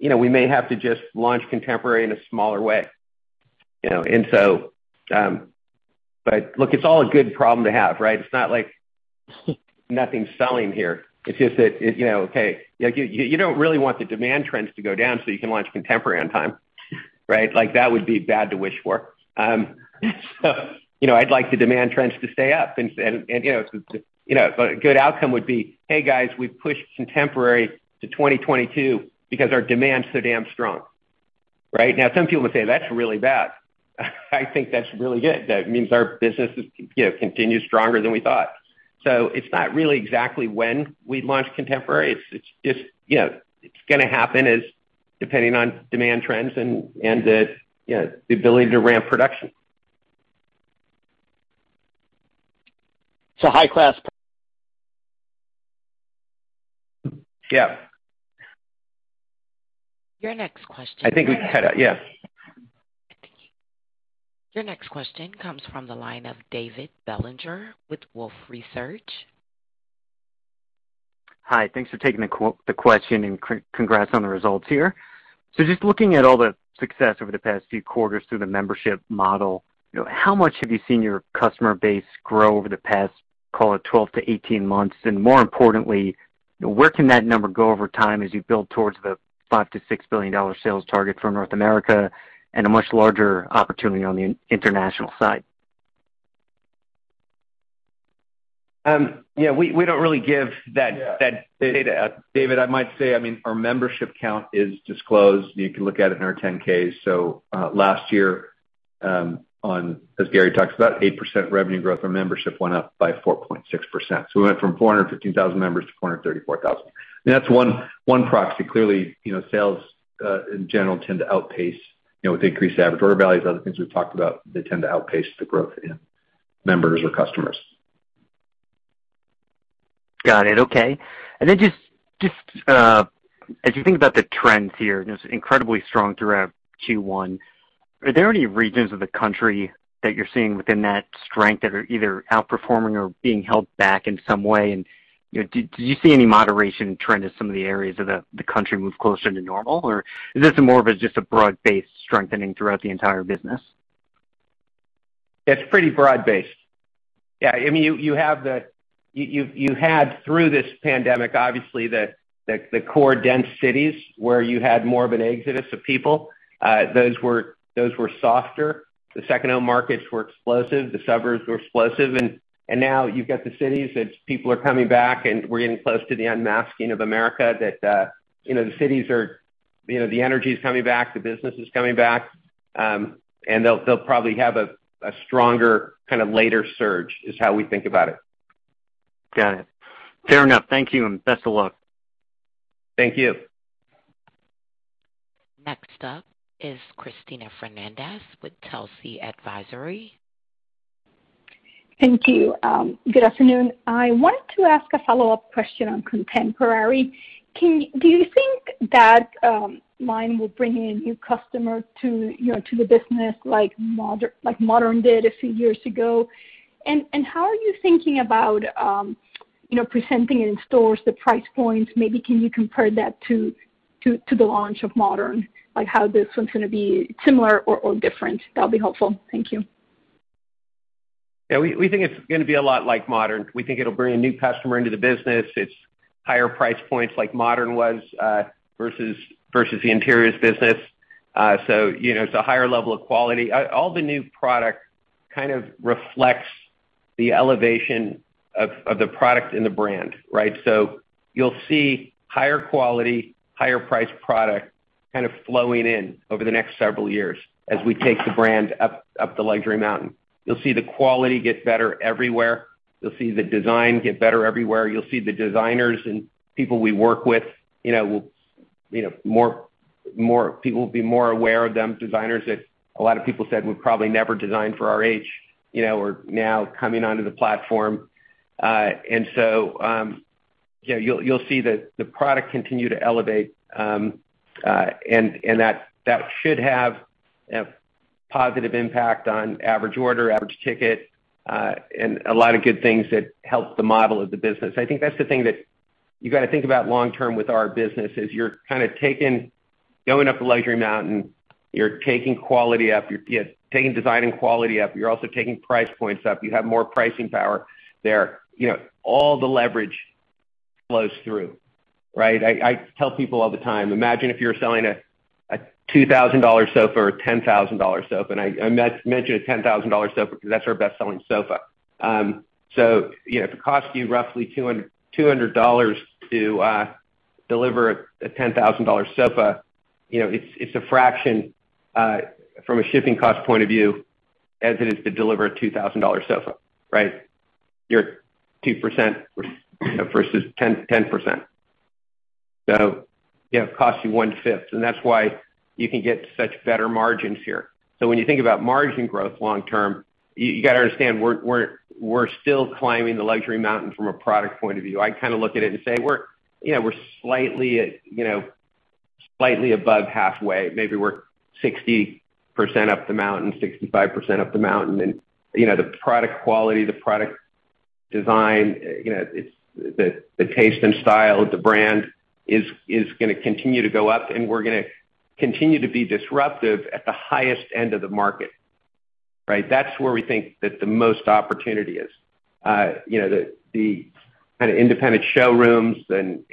we may have to just launch RH Contemporary in a smaller way. Look, it's all a good problem to have, right? It's not like nothing's selling here. It's just that, okay, you don't really want the demand trends to go down so you can launch Contemporary on time, right? That would be bad to wish for. I'd like the demand trends to stay up and a good outcome would be, "Hey, guys, we've pushed RH Contemporary to 2022 because our demand's so damn strong." right? Now, some people would say that's really bad. I think that's really good. That means our business has continued stronger than we thought. It's not really exactly when we'd launch RH Contemporary. It's going to happen depending on demand trends and the ability to ramp production. So high-class? Yeah. Your next question. I think we cut out. Yes. Your next question comes from the line of David Bellinger with Wolfe Research. Hi. Thanks for taking the question, and congrats on the results here. Just looking at all the success over the past few quarters through the membership model, how much have you seen your customer base grow over the past, call it 12-18 months? And more importantly, where can that number go over time as you build towards the $5 billion-$6 billion sales target for North America and a much larger opportunity on the international side? We don't really give that data, David. I might say, our membership count is disclosed. You can look at it in our 10-K. Last year, as Gary talked about, 8% revenue growth, our membership went up by 4.6%. It went from 415,000 members to 434,000. That's one proxy. Clearly, sales in general tend to outpace with increased average order values, other things we've talked about, they tend to outpace the growth in members or customers. Got it. Okay. Just as you think about the trends here, just incredibly strong throughout Q1, are there any regions of the country that you're seeing within that strength that are either outperforming or being held back in some way? Do you see any moderation in trend as some of the areas of the country move closer to normal, or is this more of just a broad-based strengthening throughout the entire business? It's pretty broad-based. Yeah, you had through this pandemic, obviously, the core dense cities where you had more of an exodus of people. Those were softer. The second-home markets were explosive, the suburbs were explosive. Now you've got the cities that people are coming back, and we're getting close to the unmasking of America that the energy's coming back, the business is coming back. They'll probably have a stronger kind of later surge is how we think about it. Got it. Fair enough. Thank you, and best of luck. Thank you. Next up is Cristina Fernández with Telsey Advisory. Thank you. Good afternoon. I wanted to ask a follow-up question on RH Contemporary. Do you think that RH Contemporary will bring in new customers to the business like RH Modern did a few years ago? How are you thinking about presenting in stores the price points? Maybe can you compare that to the launch of RH Modern, like how this one's going to be similar or different? That'd be helpful. Thank you. Yeah, we think it's going to be a lot like RH Modern. We think it'll bring a new customer into the business. It's higher price points like RH Modern was versus the RH Interiors business. It's a higher level of quality. All the new product kind of reflects the elevation of the product and the brand, right? You'll see higher quality, higher priced product kind of flowing in over the next several years as we take the brand up the luxury mountain. You'll see the quality get better everywhere. You'll see the design get better everywhere. You'll see the designers and people we work with, people will be more aware of them. Designers that a lot of people said would probably never design for RH, are now coming onto the platform. You'll see the product continue to elevate, and that should have a positive impact on average order, average ticket, and a lot of good things that help the model of the business. I think that's the thing that you got to think about long term with our business is you're kind of going up the luxury mountain. You're taking quality up. You're taking design and quality up. You're also taking price points up. You have more pricing power there. All the leverage flows through, right? I tell people all the time, imagine if you're selling a $2,000 sofa or a $10,000 sofa, and I mention a $10,000 sofa because that's our best-selling sofa. If it costs you roughly $200 to deliver a $10,000 sofa, it's a fraction, from a shipping cost point of view, as it is to deliver a $2,000 sofa, right? Your 2% versus 10%. It'll cost you 1/5, and that's why you can get such better margins here. When you think about margin growth long term, you got to understand, we're still climbing the luxury mountain from a product point of view. I kind of look at it and say we're slightly above halfway. Maybe we're 60% up the mountain, 65% up the mountain. The product quality, the product design, the taste and style of the brand is going to continue to go up, and we're going to continue to be disruptive at the highest end of the market, right? That's where we think that the most opportunity is, the kind of independent showrooms and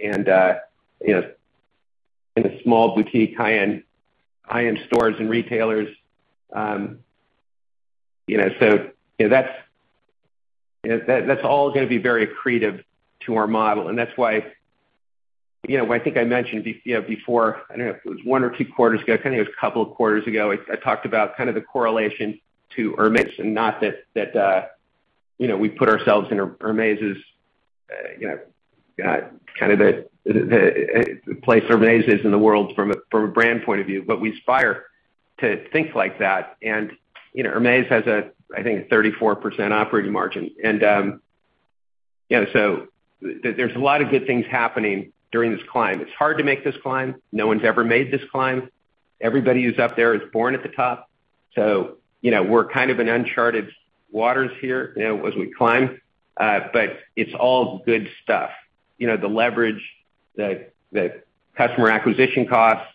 small boutique, high-end stores and retailers. That's all going to be very accretive to our model. That's why, I think I mentioned before, I don't know if it was one or two quarters ago, I think it was a couple of quarters ago, I talked about kind of the correlation to Hermès. Not that we put ourselves in the place Hermès is in the world from a brand point of view, but we aspire to think like that. Hermès has a, I think, 34% operating margin, there's a lot of good things happening during this climb. It's hard to make this climb. No one's ever made this climb. Everybody who's up there is born at the top. We're kind of in uncharted waters here as we climb. It's all good stuff. The leverage, the customer acquisition costs,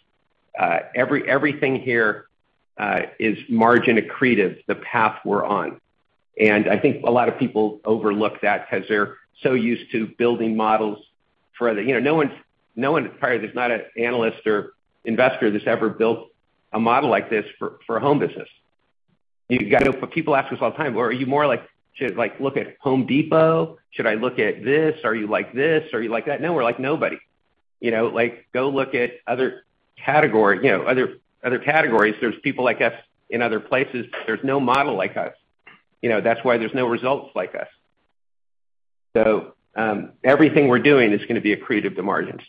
everything here is margin accretive, the path we're on. I think a lot of people overlook that because they're so used to building models. There's not an analyst or investor that's ever built a model like this for a home business. People ask us all the time, "Well, are you more like, should I look at Home Depot? Should I look at this? Are you like this? Are you like that?" No, we're like nobody. Go look at other categories. There's people like us in other places. There's no model like us. That's why there's no results like us. Everything we're doing is going to be accretive to margins.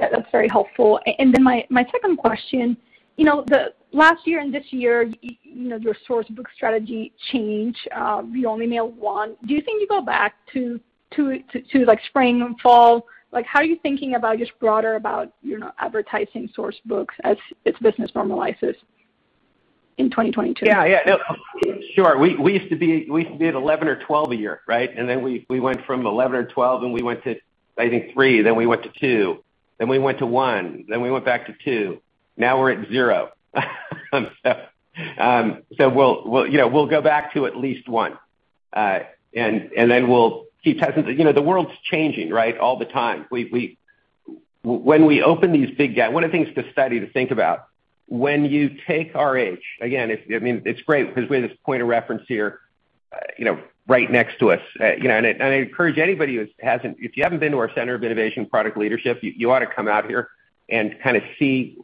Yeah, that's very helpful. My second question, last year and this year, your sourcebook strategy changed. You only made it one. Do you think you'll go back to spring and fall? How are you thinking about, just broader about advertising sourcebooks as the business normalizes in 2022? Yeah. Sure. We used to do 11 or 12 books a year, right? Then we went from 11 or 12 sourcebooks, we went to, I think, 3 books, then we went to 2 books. Then we went to 1 book, then we went back to 2 books. Now we're at 0 sourcebook. We'll go back to at least 1 book, then we'll keep testing. The world's changing all the time. One of the things to study, to think about, when you take RH, again, it's great because we have this point of reference here right next to us. I encourage anybody who hasn't, if you haven't been to our Center of Innovation Product Leadership, you ought to come out here and see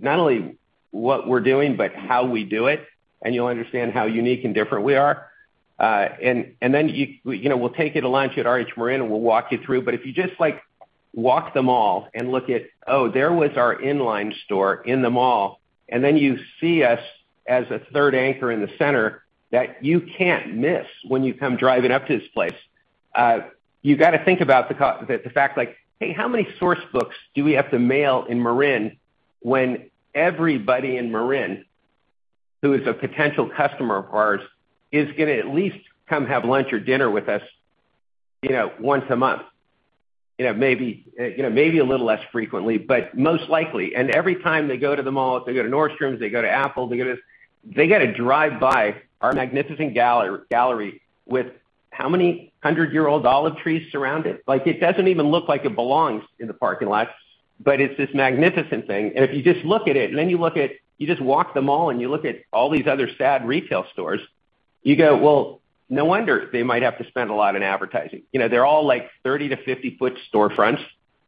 not only what we're doing, but how we do it, and you'll understand how unique and different we are. Then, we'll take you to lunch at RH Marin, and we'll walk you through. If you just walk the mall and look at, oh, there was our in-line store in the mall, and then you see us as a third anchor in the center that you can't miss when you come driving up to this place. You got to think about the fact like, hey, how many sourcebooks do we have to mail in Marin when everybody in Marin who is a potential customer of ours is going to at least come have lunch or dinner with us once a month? Maybe a little less frequently, but most likely. Every time they go to the mall, if they go to Nordstrom, they go to Apple, They get to drive by our magnificent gallery with how many 100-year-old olive trees surround it. It doesn't even look like it belongs in the parking lot, but it's this magnificent thing. If you just look at it, then you just walk the mall and you look at all these other sad retail stores, you go, well, no wonder they might have to spend a lot in advertising. They're all 30-50-foot storefronts,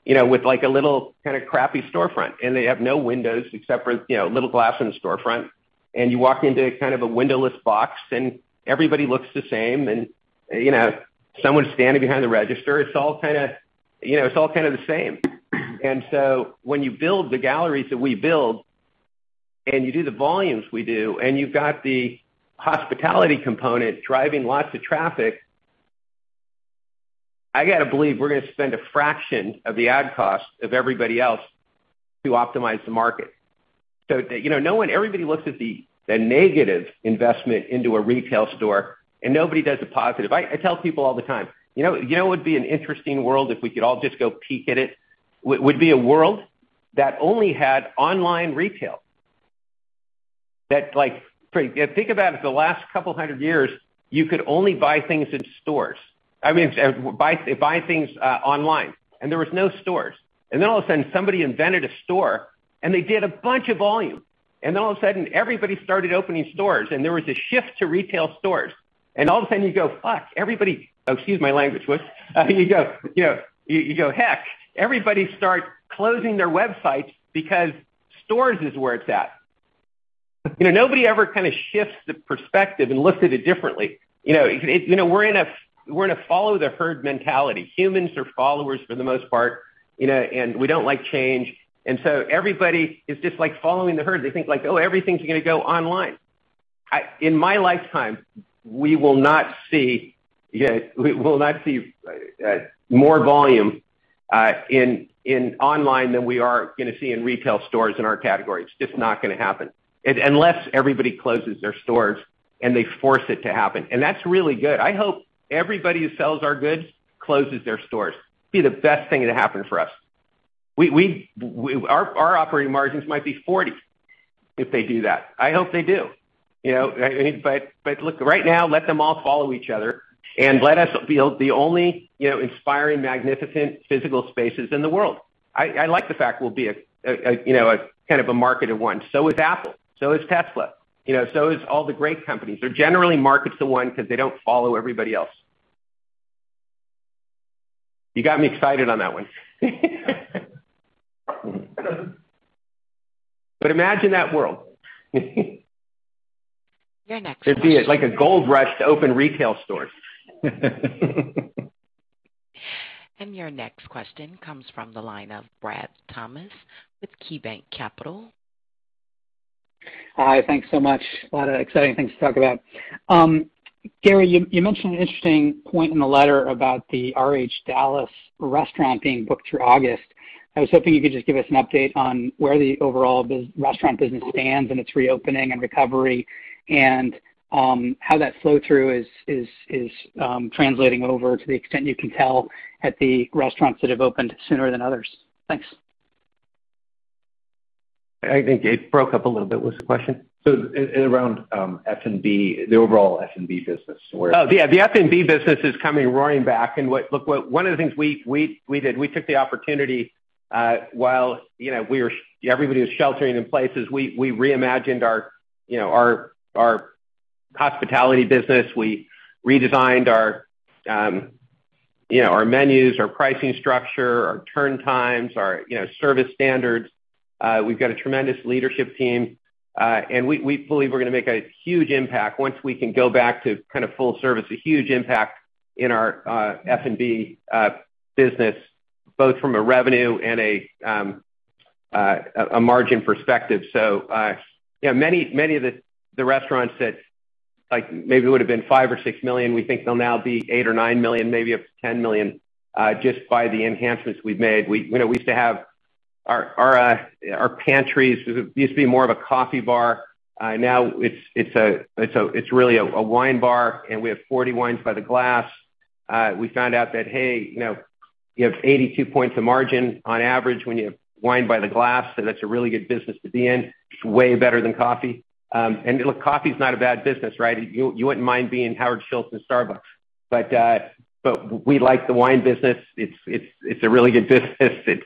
with a little crappy storefront. They have no windows except for a little glass in the storefront. You walk into a windowless box, and everybody looks the same, and someone's standing behind the register. It's all the same. When you build the RH Galleries that we build, and you do the volumes we do, and you've got the hospitality component driving lots of traffic, I got to believe we're going to spend a fraction of the ad cost of everybody else to optimize the market. Everybody looks at the negative investment into a retail store, and nobody does the positive. I tell people all the time, you know what would be an interesting world if we could all just go peek at it? Would be a world that only had online retail. Think about it, the last couple hundred years, you could only buy things in stores. I mean, buy things online, and there was no stores. All of a sudden, somebody invented a store, and they did a bunch of volume. All of a sudden, everybody started opening stores, and there was a shift to retail stores. All of a sudden you go, "Fuck, everybody" Excuse my language. You go, "Heck, everybody start closing their websites because stores is where it's at." Nobody ever shifts the perspective and looks at it differently. We're in a follow-the-herd mentality. Humans are followers for the most part, and we don't like change. Everybody is just following the herd. They think like, "Oh, everything's going to go online." In my lifetime, we will not see more volume in online than we are going to see in retail stores in our category. It's just not going to happen. Unless everybody closes their stores and they force it to happen. That's really good. I hope everybody who sells our goods closes their stores. It'd be the best thing to happen for us. Our operating margins might be 40% if they do that. I hope they do. Look, right now, let them all follow each other and let us be the only inspiring, magnificent physical spaces in the world. I like the fact we'll be a market of one. Apple, so is Tesla. Is all the great companies. They're generally markets of one because they don't follow everybody else. You got me excited on that one. Imagine that world. There'd be like a gold rush to open retail stores. Your next question comes from the line of Brad Thomas with KeyBanc Capital. Hi, thanks so much. A lot of exciting things to talk about. Gary, you mentioned an interesting point in the letter about the RH Dallas restaurant being booked through August. I was hoping you could just give us an update on where the overall restaurant business stands in its reopening and recovery and how that flow-through is translating over to the extent you can tell at the restaurants that have opened sooner than others. Thanks. I think it broke up a little bit. What was the question? Around F&B, the overall F&B business. Oh, yeah. The F&B business is coming roaring back. Look, one of the things we did, we took the opportunity while everybody was sheltering in places. We reimagined our hospitality business. We redesigned our menus, our pricing structure, our turn times, our service standards. We've got a tremendous leadership team, and we fully believe we're going to make a huge impact once we can go back to full service, a huge impact in our F&B business, both from a revenue and a margin perspective. Many of the restaurants that maybe would've been $5 million or $6 million, we think they'll now be $8 million or $9 million, maybe up to $10 million, just by the enhancements we've made. Our pantries used to be more of a coffee bar. Now it's really a wine bar, and we have 40 wines by the glass. We found out that, hey, you have 82 points of margin on average when you have wine by the glass. That's a really good business at the end. It's way better than coffee. Look, coffee's not a bad business, right? You wouldn't mind being Howard Schultz in Starbucks. We like the wine business. It's a really good business.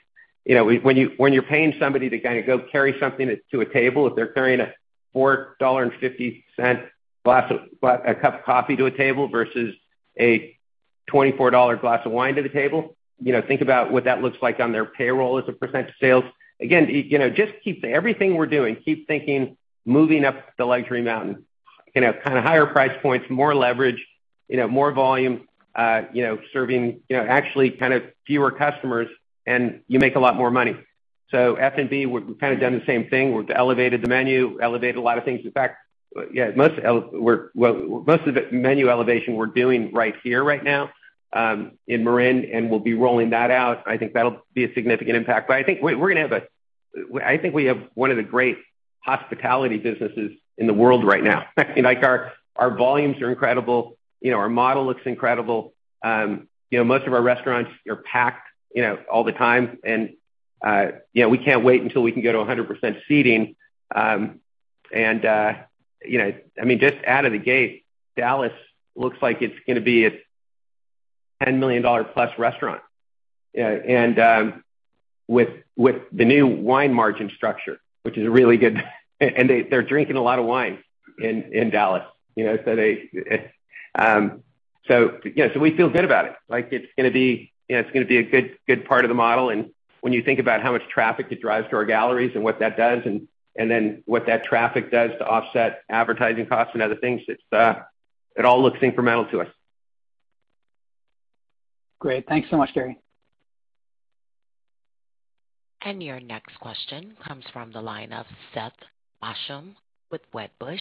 When you're paying somebody to go carry something to a table, if they're carrying a $4.50 cup of coffee to a table versus a $24 glass of wine to the table, think about what that looks like on their payroll as a percentage of sales. Again, just keep everything we're doing, keep thinking, moving up the luxury mountain. Kind of higher price points, more leverage, more volume, serving actually kind of fewer customers, and you make a lot more money. F&B, we've kind of done the same thing. We've elevated the menu, elevated a lot of things. In fact, most of the menu elevation we're doing right here right now in Marin, and we'll be rolling that out. I think that'll be a significant impact. I think we have one of the great hospitality businesses in the world right now. Our volumes are incredible. Our model looks incredible. Most of our restaurants are packed all the time. We can't wait until we can go to 100% seating. Just out of the gate, Dallas looks like it's going to be a $10 million+ restaurant. With the new wine margin structure, which is really good. They're drinking a lot of wine in Dallas. We feel good about it. It's going to be a good part of the model. When you think about how much traffic it drives to our galleries and what that does, and then what that traffic does to offset advertising costs and other things, it all looks incremental to us. Great. Thanks so much, Gary. Your next question comes from the line of Seth Basham with Wedbush.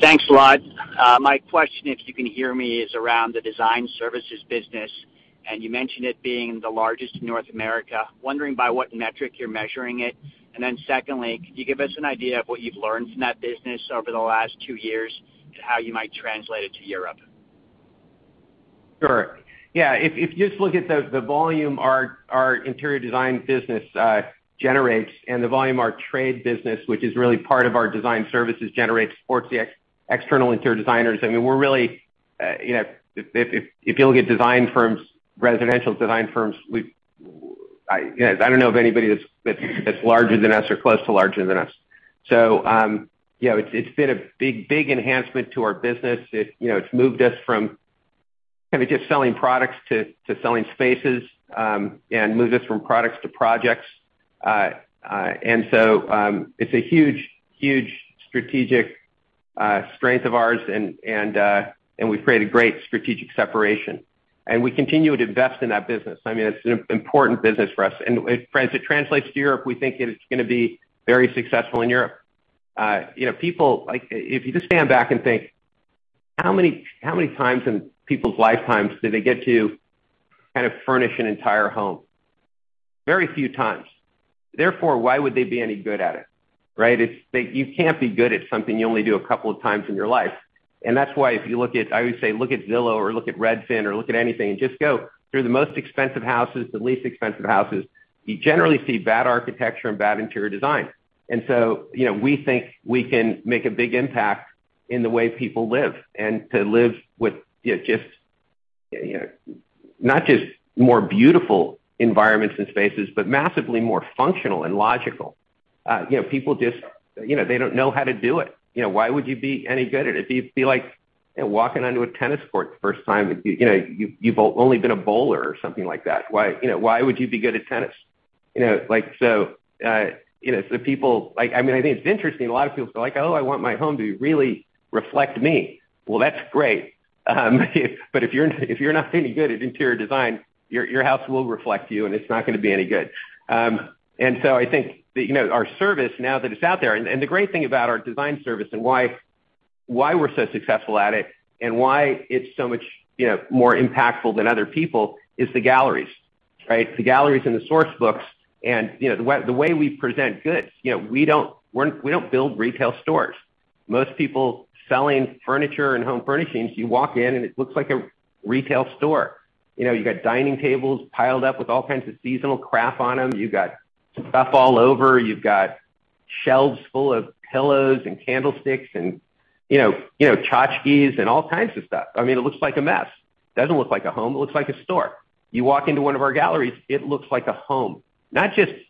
Thanks a lot. My question, if you can hear me, is around the design services business. You mentioned it being the largest in North America. I am wondering by what metric you're measuring it. Secondly, can you give us an idea of what you've learned from that business over the last two years and how you might translate it to Europe? Sure. Yeah. If you just look at the volume our interior design business generates and the volume our trade business, which is really part of our design services generates towards the external interior designers. If you look at residential design firms, I don't know of anybody that's larger than us or close to larger than us. It's been a big enhancement to our business. It's moved us from just selling products to selling spaces, and moved us from products to projects. It's a huge strategic strength of ours, and we've created great strategic separation. We continue to invest in that business. It's an important business for us. As it translates to Europe, we think that it's going to be very successful in Europe. If you just stand back and think, how many times in people's lifetimes do they get to furnish an entire home? Very few times. Why would they be any good at it, right? You can't be good at something you only do a couple of times in your life. That's why if you look at, I would say, look at Zillow or look at Redfin or look at anything, and just go through the most expensive houses, the least expensive houses, you generally see bad architecture and bad interior design. So, we think we can make a big impact in the way people live, and to live with not just more beautiful environments and spaces, but massively more functional and logical. People just don't know how to do it. Why would you be any good at it? It'd be like walking onto a tennis court for the first time. You've only been a bowler or something like that. Why would you be good at tennis? I think it's interesting, a lot of people are like, "Oh, I want my home to really reflect me." That's great. If you're not any good at interior design, your house will reflect you, and it's not going to be any good. I think our service, now that it's out there, and the great thing about our design service and why we're so successful at it and why it's so much more impactful than other people is the galleries, right? It's the galleries and the sourcebooks and the way we present goods. We don't build retail stores. Most people selling furniture and home furnishings, you walk in and it looks like a retail store. You got dining tables piled up with all kinds of seasonal crap on them. You've got stuff all over. You've got shelves full of pillows and candlesticks and tchotchkes and all kinds of stuff. It looks like a mess. It doesn't look like a home. It looks like a store. You walk into one of our galleries, it looks like a home. It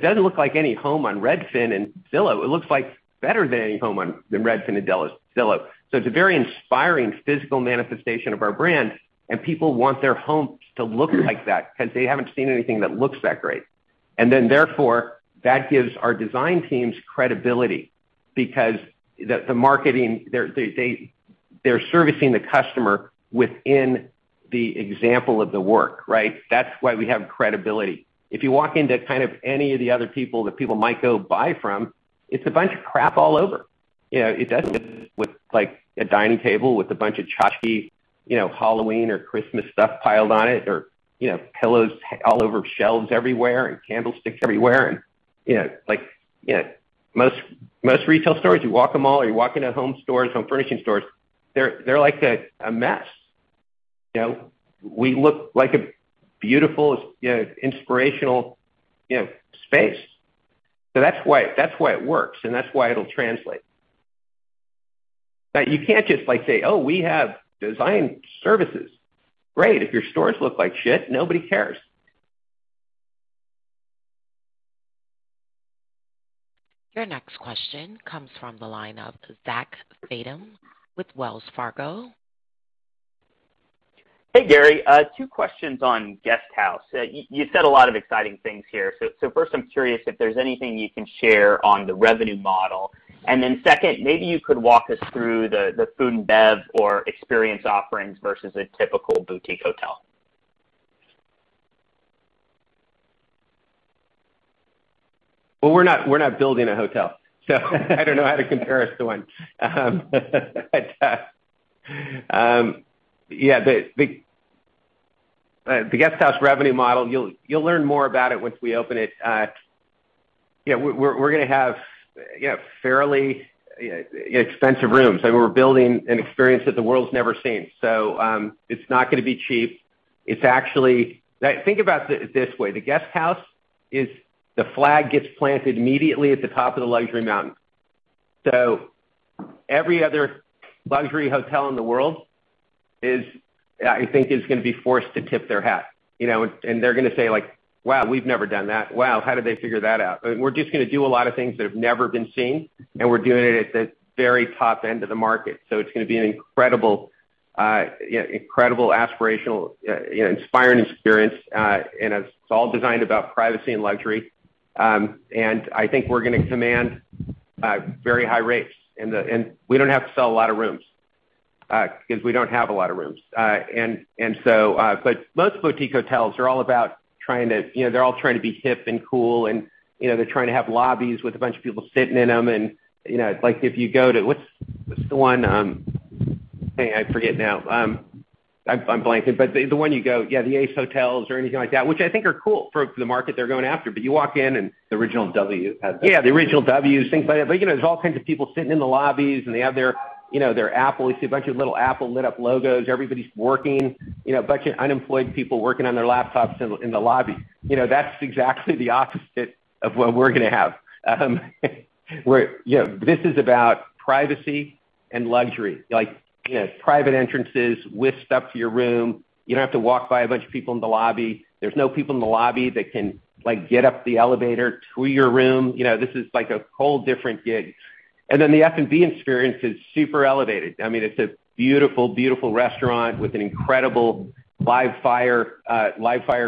doesn't look like any home on Redfin and Zillow. It looks like better than any home than Redfin and Zillow. It's a very inspiring physical manifestation of our brand, and people want their homes to look like that because they haven't seen anything that looks that great. That gives our design teams credibility because they're servicing the customer within the example of the work, right? That's why we have credibility. If you walk into any of the other people that people might go buy from, it's a bunch of crap all over. It doesn't look like a dining table with a bunch of tchotchke, Halloween or Christmas stuff piled on it, or pillows all over shelves everywhere and candlesticks everywhere. Most retail stores, you walk them all, you're walking into home stores, home furnishing stores, they're like a mess. We look like a beautiful inspirational space. That's why it works, and that's why it'll translate. You can't just say, "Oh, we have design services." Great. If your stores look like shit, nobody cares. Your next question comes from the line of Zach Fadem with Wells Fargo. Hey, Gary. Two questions on RH Guesthouse. You said a lot of exciting things here. First, I'm curious if there's anything you can share on the revenue model. Second, maybe you could walk us through the food and bev or experience offerings versus a typical boutique hotel. We're not building a hotel, so I don't know how to compare us to one. The RH Guesthouse revenue model, you'll learn more about it once we open it. We're going to have fairly expensive rooms, and we're building an experience that the world's never seen. It's not going to be cheap. Think about it this way. The RH Guesthouse is the flag gets planted immediately at the top of the luxury mountain. Every other luxury hotel in the world, I think, is going to be forced to tip their hat. They're going to say, "Wow, we've never done that. Wow, how did they figure that out?" We're just going to do a lot of things that have never been seen, and we're doing it at the very top end of the market. It's going to be an incredible aspirational, inspiring experience, and it's all designed about privacy and luxury. I think we're going to command very high rates, and we don't have to sell a lot of rooms because we don't have a lot of rooms. Most boutique hotels, they're all trying to be hip and cool, and they're trying to have lobbies with a bunch of people sitting in them. If you go to, what's the one? Hey, I forget now. I'm blanking. The one you go, yeah, the Ace Hotel or anything like that, which I think are cool for the market they're going after. The original W. Yeah, the original Ws. There's all kinds of people sitting in the lobbies, and they have their Apple. You see a bunch of little Apple lit up logos. Everybody's working. A bunch of unemployed people working on their laptops in the lobby. That's exactly the opposite of what we're going to have. This is about privacy and luxury. Private entrances with stuff to your room. You don't have to walk by a bunch of people in the lobby. There's no people in the lobby that can get up the elevator to your room. This is like a whole different gig. Then the F&B experience is super elevated. It's a beautiful restaurant with an incredible live fire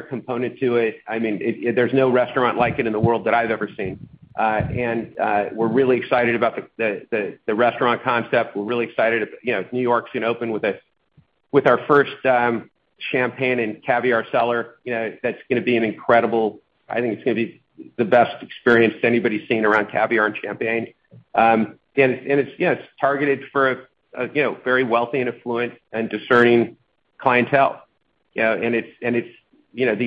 component to it. There's no restaurant like it in the world that I've ever seen. We're really excited about the restaurant concept. We're really excited New York's going to open with our first Champagne & Caviar cellar. That's going to be an incredible, I think it's going to be the best experience anybody's seen around caviar and champagne. It's targeted for a very wealthy and affluent and discerning clientele. The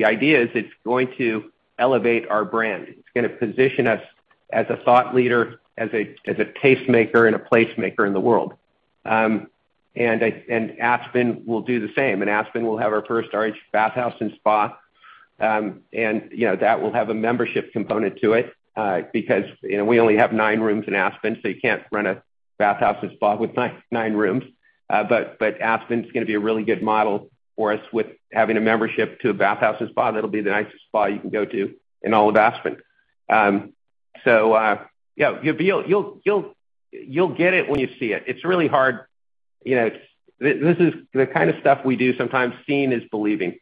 idea is it's going to elevate our brand. It's going to position us as a thought leader, as a pacemaker, and a placemaker in the world. Aspen will do the same. Aspen will have our first RH Bath House & Spa. That will have a membership component to it because we only have nine rooms in Aspen, so you can't run a bathhouse and spa with nine rooms. Aspen's going to be a really good model for us with having a membership to a bathhouse and spa. That'll be the nicest spa you can go to in all of Aspen. You'll get it when you see it. The kind of stuff we do sometimes seeing is believing.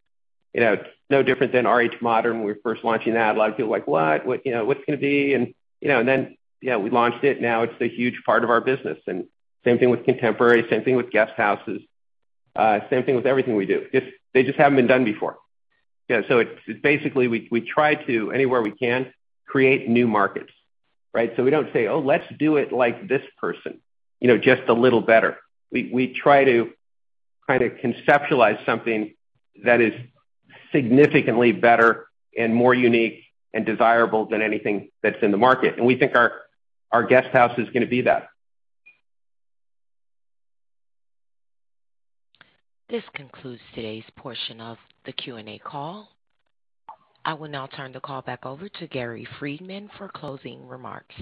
It's no different than RH Modern when we first launched in that, a lot of people were like, "What? What's it going to be?" We launched it, now it's a huge part of our business. Same thing with Contemporary, same thing with Guesthouses, same thing with everything we do. Just they just haven't been done before. Basically, we try to, anywhere we can, create new markets, right? We don't say, "Oh, let's do it like this person, just a little better." We try to conceptualize something that is significantly better and more unique and desirable than anything that's in the market. We think our guesthouse is going to be that. This concludes today's portion of the Q&A call. I will now turn the call back over to Gary Friedman for closing remarks.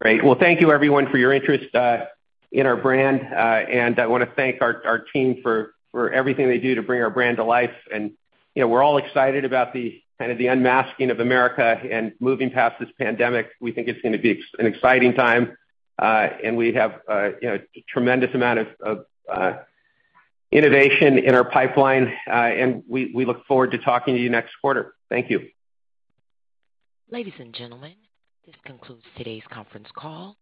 Great. Well, thank you everyone for your interest in our brand. I want to thank our team for everything they do to bring our brand to life. We're all excited about the unmasking of America and moving past this pandemic. We think it's going to be an exciting time, and we have a tremendous amount of innovation in our pipeline, and we look forward to talking to you next quarter. Thank you. Ladies and gentlemen, this concludes today's conference call.